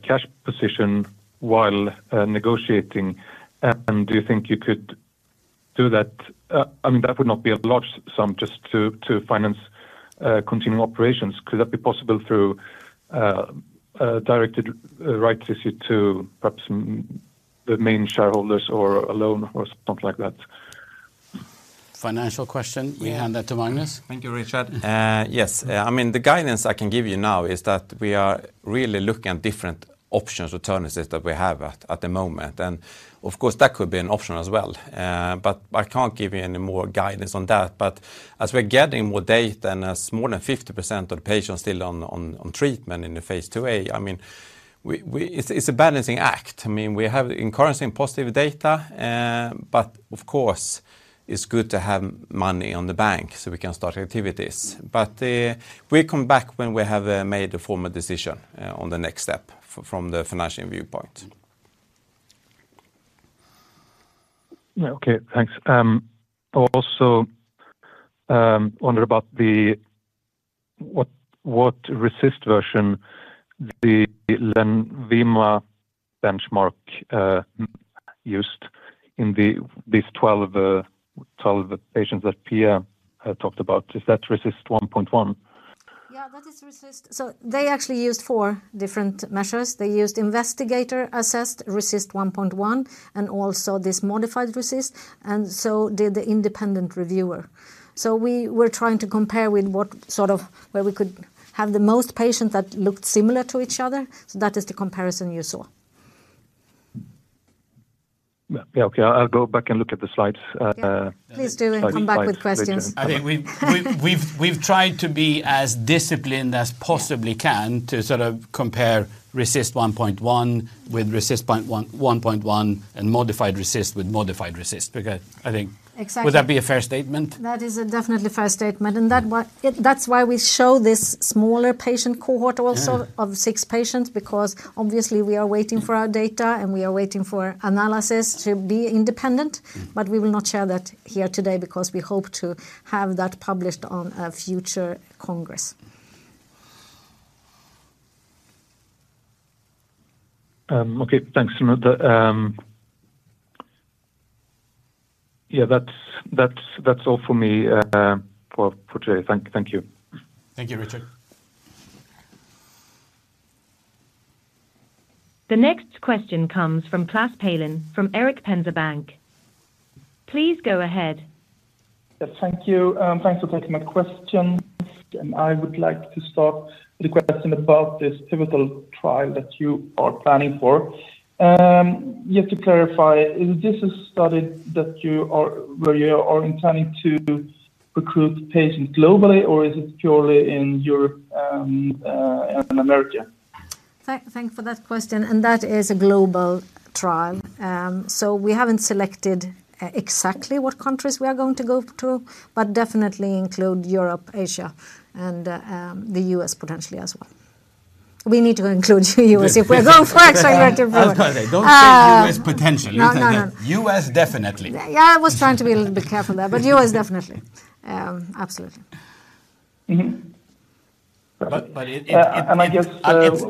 cash position while negotiating? And do you think you could do that? I mean, that would not be a large sum just to finance continuing operations. Could that be possible through a directed rights issue to perhaps the main shareholders or a loan or something like that? Financial question- Yeah. We hand that to Magnus. Thank you, Richard. Yes. I mean, the guidance I can give you now is that we are really looking at different options or alternatives that we have at the moment, and of course, that could be an option as well. But I can't give you any more guidance on that. But as we're getting more data and as more than 50% of the patients still on treatment in the Phase 3, I mean, It's a balancing act. I mean, we have encouraging positive data, but of course, it's good to have money on the bank so we can start activities. But we come back when we have made a formal decision on the next step from the financial viewpoint. Yeah. Okay, thanks. Also, wonder about what RECIST version the Lenvima benchmark used in these 12 patients that Pia talked about. Is that RECIST 1.1? Yeah, that is RECIST. So they actually used four different measures. They used investigator-assessed RECIST 1.1, and also this modified RECIST, and so did the independent reviewer. So we were trying to compare with what sort of- where we could have the most patients that looked similar to each other. So that is the comparison you saw. Yeah, okay. I'll go back and look at the slides. Yeah. Please do, and come back with questions. I think we've tried to be as disciplined as possibly can- Yeah to sort of compare RECIST 1.1 with RECIST 1.1 and modified RECIST with modified RECIST because I think Exactly. Would that be a fair statement? That is a definitely fair statement, and that's why we show this smaller patient cohort also. Yeah of six patients, because obviously, we are waiting for our data, and we are waiting for analysis to be independent- Mm-hmm. But we will not share that here today because we hope to have that published on a future congress.... Okay, thanks. And yeah, that's all for me, for today. Thank you. Thank you, Richard. The next question comes from Klas Palin from Erik Penser Bank. Please go ahead. Yes, thank you. Thanks for taking my question. I would like to start with a question about this pivotal trial that you are planning for. Just to clarify, is this a study where you are planning to recruit patients globally, or is it purely in Europe and America? Thanks, thanks for that question, and that is a global trial. So we haven't selected exactly what countries we are going to go to, but definitely include Europe, Asia, and the U.S. potentially as well. We need to include U.S. if we're going for accelerated approval. Don't say U.S. potentially. No, no, no. US definitely. Yeah, I was trying to be a little bit careful there, but U.S. definitely. Absolutely. Mm-hmm. But it- I guess,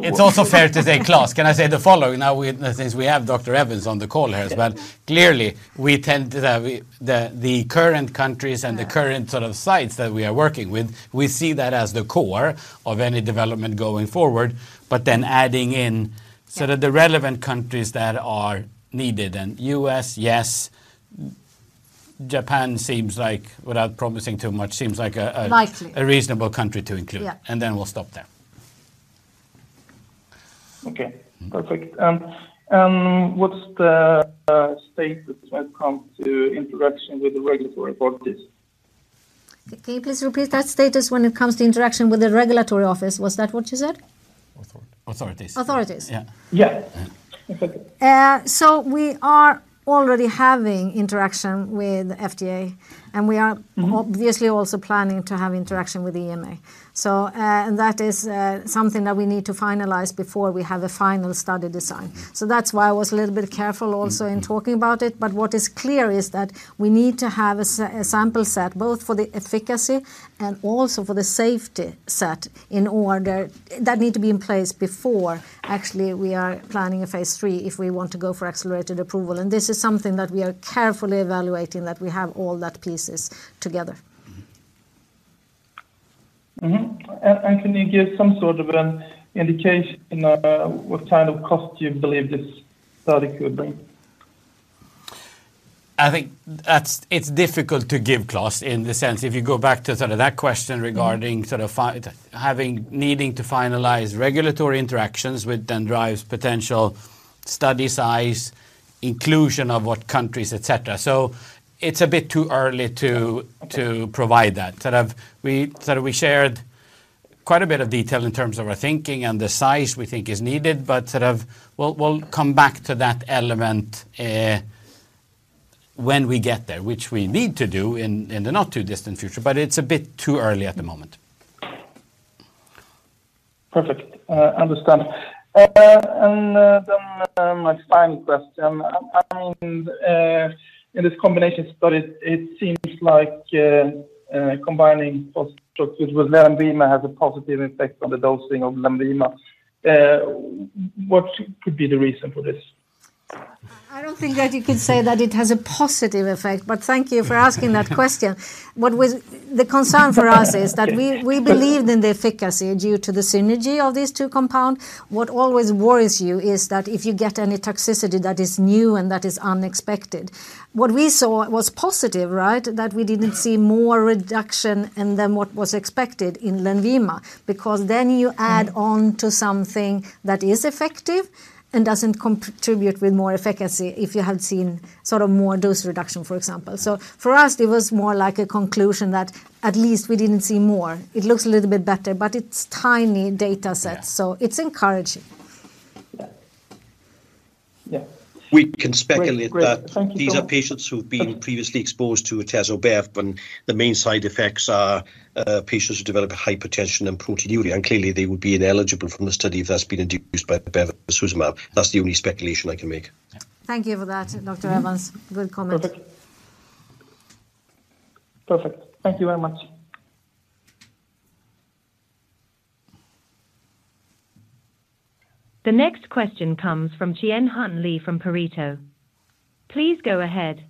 It's also fair to say, Klas. Can I say the following? Now, since we have Dr. Evans on the call here. Yes. But clearly, we tend to have the current countries and the current sort of sites that we are working with. We see that as the core of any development going forward, but then adding in- Yeah... sort of the relevant countries that are needed. And U.S., yes. Japan seems like, without promising too much, seems like a Nicely... a reasonable country to include. Yeah. Then we'll stop there. Okay, perfect. What's the status when it comes to interaction with the regulatory authorities? Can you please repeat that? Status when it comes to interaction with the regulatory office, was that what you said? Authority, authorities. Authorities. Yeah. Yeah. We are already having interaction with FDA, and we are- Mm-hmm... obviously also planning to have interaction with EMA. So, and that is, something that we need to finalize before we have a final study design. Mm. So that's why I was a little bit careful also in talking about it. But what is clear is that we need to have a sample set, both for the efficacy and also for the safety set, in order... That need to be in place before actually we are planning a Phase 3 if we want to go for accelerated approval. And this is something that we are carefully evaluating, that we have all that pieces together. Mm-hmm. Mm-hmm. And, and can you give some sort of an indication of what kind of cost you believe this study could bring? I think it's difficult to give, Klas, in the sense if you go back to sort of that question regarding- Mm... sort of having, needing to finalize regulatory interactions, which then drives potential study size, inclusion of what countries, et cetera. So it's a bit too early to- Yeah, okay... to provide that. Sort of, we, sort of we shared quite a bit of detail in terms of our thinking and the size we think is needed, but sort of we'll, we'll come back to that element, when we get there, which we need to do in, in the not-too-distant future, but it's a bit too early at the moment. Perfect. Understand. Then my final question. I mean, in this combination study, it seems like combining Fostrox with Lenvima has a positive effect on the dosing of Lenvima. What could be the reason for this? I don't think that you could say that it has a positive effect, but thank you for asking that question. What was the concern for us is that we, we believed in the efficacy due to the synergy of these two compound. What always worries you is that if you get any toxicity that is new and that is unexpected. What we saw was positive, right? That we didn't see more reduction in than what was expected in Lenvima, because then you add on to something that is effective and doesn't contribute with more efficacy if you had seen sort of more dose reduction, for example. So for us, it was more like a conclusion that at least we didn't see more. It looks a little bit better, but it's tiny data sets. Yeah. It's encouraging. Yeah. Yeah. We can speculate that- Great. Great. Thank you so much.... these are patients who've been previously exposed to atezolizumab, and the main side effects are patients who develop hypertension and proteinuria. Clearly, they would be ineligible from the study if that's been induced by bevacizumab. That's the only speculation I can make. Yeah. Thank you for that, Dr. Evans. Good comment. Perfect. Perfect. Thank you very much. The next question comes from Chien-Hsun Lee from Pareto. Please go ahead.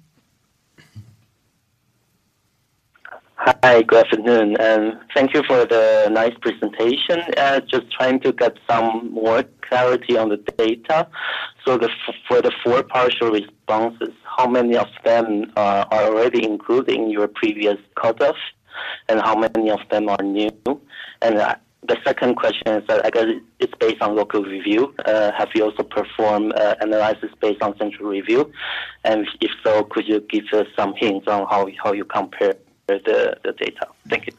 Hi, good afternoon, and thank you for the nice presentation. Just trying to get some more clarity on the data. So for the four partial responses, how many of them are already included in your previous cutoff, and how many of them are new? And the second question is that, I guess, it's based on local review. Have you also performed analysis based on central review? And if so, could you give us some hints on how you compare the data? Thank you.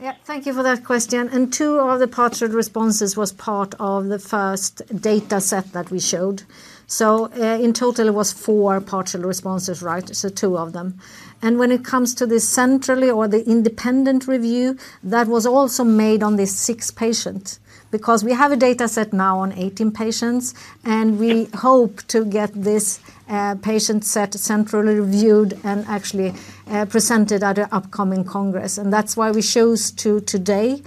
Yeah, thank you for that question. And two of the partial responses was part of the first data set that we showed. So, in total, it was four partial responses, right? So two of them. And when it comes to the centrally or the independent review, that was also made on the six patients. Because we have a data set now on 18 patients, and we hope to get this, patient set centrally reviewed and actually, presented at the upcoming congress. And that's why we chose to, today,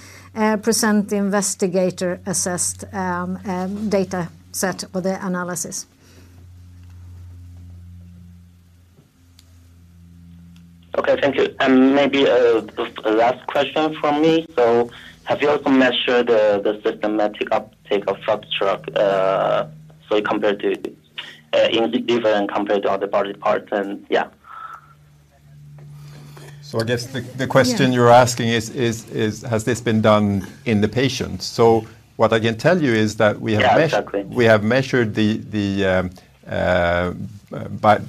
present the investigator-assessed, data set for the analysis.... Okay, thank you. And maybe the last question from me. So have you also measured the systemic uptake of Fostrox, so compared to in the liver and compared to other body parts and yeah. So I guess the question- Yeah. -you're asking is, has this been done in the patients? So what I can tell you is that we have measured- Yeah, exactly. We have measured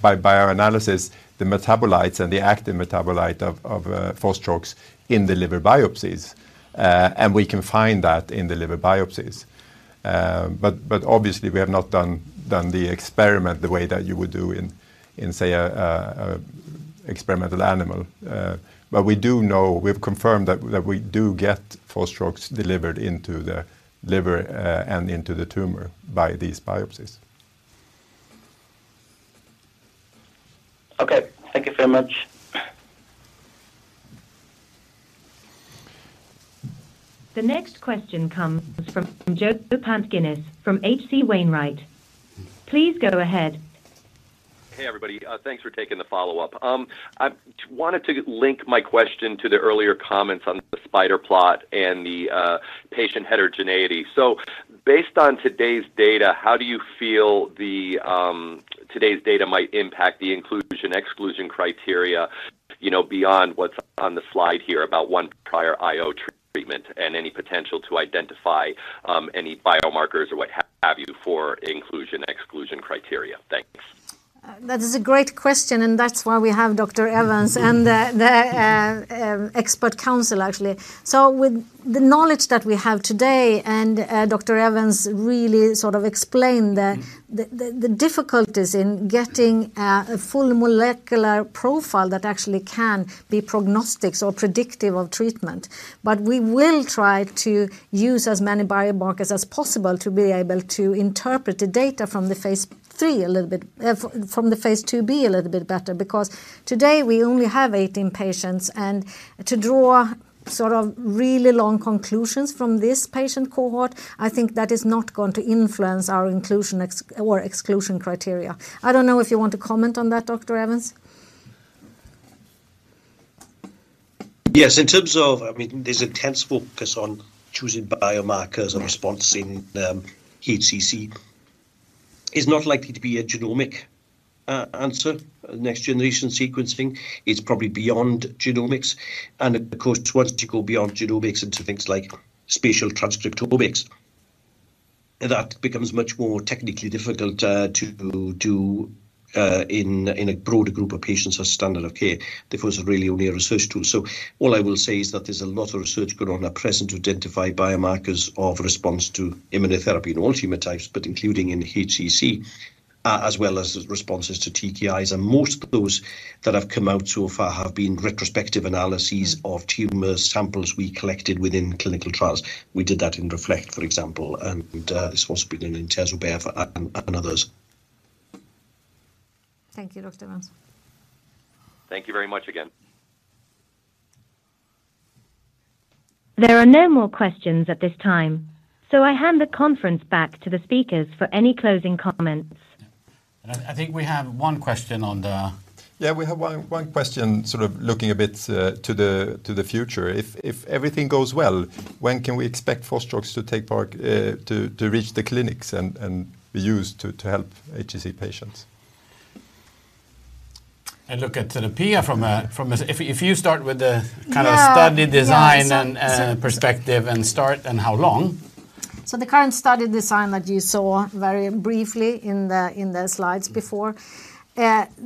by our analysis the metabolites and the active metabolite of Fostrox in the liver biopsies. And we can find that in the liver biopsies. But obviously we have not done the experiment the way that you would do in say a experimental animal. But we do know, we've confirmed that we do get Fostrox delivered into the liver and into the tumor by these biopsies. Okay, thank you so much. The next question comes from Joe Pantginis from H.C. Wainwright. Please go ahead. Hey, everybody. Thanks for taking the follow-up. I wanted to link my question to the earlier comments on the spider plot and the patient heterogeneity. So based on today's data, how do you feel the today's data might impact the inclusion, exclusion criteria, you know, beyond what's on the slide here about one prior IO treatment and any potential to identify any biomarkers or what have you, for inclusion, exclusion criteria? Thanks. That is a great question, and that's why we have Dr. Evans and the expert counsel actually. So with the knowledge that we have today, Dr. Evans really sort of explained the difficulties in getting a full molecular profile that actually can be prognostics or predictive of treatment. But we will try to use as many biomarkers as possible to be able to interpret the data from the Phase 3 a little bit, from the Phase 2b a little bit better, because today we only have 18 patients, and to draw sort of really long conclusions from this patient cohort, I think that is not going to influence our inclusion or exclusion criteria. I don't know if you want to comment on that, Dr. Evans? Yes. In terms of, I mean, there's intense focus on choosing biomarkers and response in HCC. It's not likely to be a genomic answer. Next-generation sequencing is probably beyond genomics and of course, once you go beyond genomics into things like spatial transcriptomics, that becomes much more technically difficult to do in a broader group of patients as standard of care. Therefore, it's really only a research tool. So all I will say is that there's a lot of research going on at present to identify biomarkers of response to immunotherapy in all tumor types, but including in HCC as well as responses to TKIs. And most of those that have come out so far have been retrospective analyses of tumor samples we collected within clinical trials. We did that in Reflect, for example, and it's also been in TOPAZ and others. Thank you, Dr. Evans. Thank you very much again. There are no more questions at this time, so I hand the conference back to the speakers for any closing comments. And I think we have one question on the- Yeah, we have one question, sort of looking a bit to the future. If everything goes well, when can we expect Fostrox to take part to reach the clinics and be used to help HCC patients? I look at to Pia from a. If you start with the kind of- Yeah -study design and, perspective and start and how long. So the current study design that you saw very briefly in the slides before,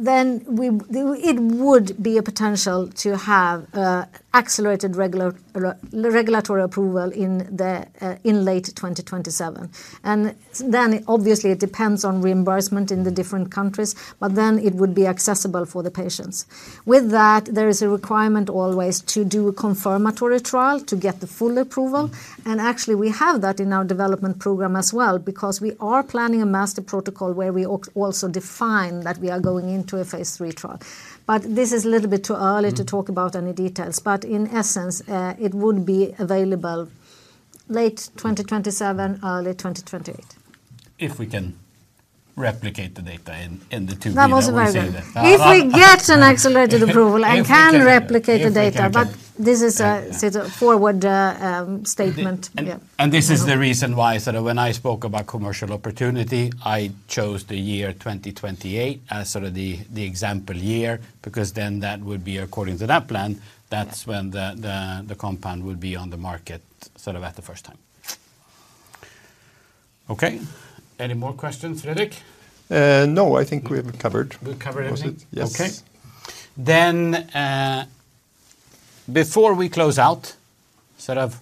then it would be a potential to have an accelerated regulatory approval in the in late 2027. And then obviously, it depends on reimbursement in the different countries, but then it would be accessible for the patients. With that, there is a requirement always to do a confirmatory trial to get the full approval. And actually, we have that in our development program as well, because we are planning a master protocol where we also define that we are going into a Phase 3 trial. But this is a little bit too early to talk about any details, but in essence, it would be available late 2027, early 2028. If we can replicate the data in the 2B that we see there. That was very good. If we get an accelerated approval- If we can... and can replicate the data. If we can, yeah. But this is a sort of forward statement. Yeah. This is the reason why, sort of, when I spoke about commercial opportunity, I chose the year 2028 as sort of the compound would be on the market, sort of at the first time. Okay, any more questions, Fredrik? No, I think we have covered. We've covered everything? Yes. Okay. Then, before we close out, sort of,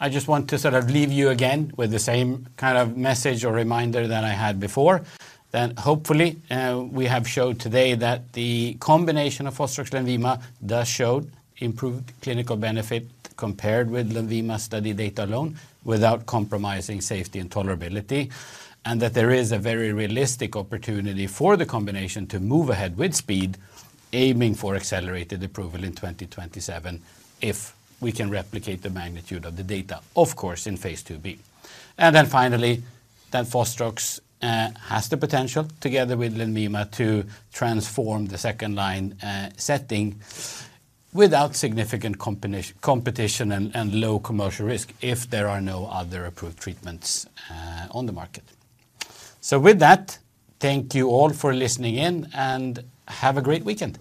I just want to sort of leave you again with the same kind of message or reminder that I had before. That hopefully, we have shown today that the combination of Fostrox Lenvima does show improved clinical benefit compared with Lenvima study data alone, without compromising safety and tolerability. And that there is a very realistic opportunity for the combination to move ahead with speed, aiming for accelerated approval in 2027, if we can replicate the magnitude of the data, of course, in Phase 2b. And then finally, that Fostrox has the potential, together with Lenvima, to transform the second-line setting without significant competition and low commercial risk if there are no other approved treatments on the market. So with that, thank you all for listening in, and have a great weekend!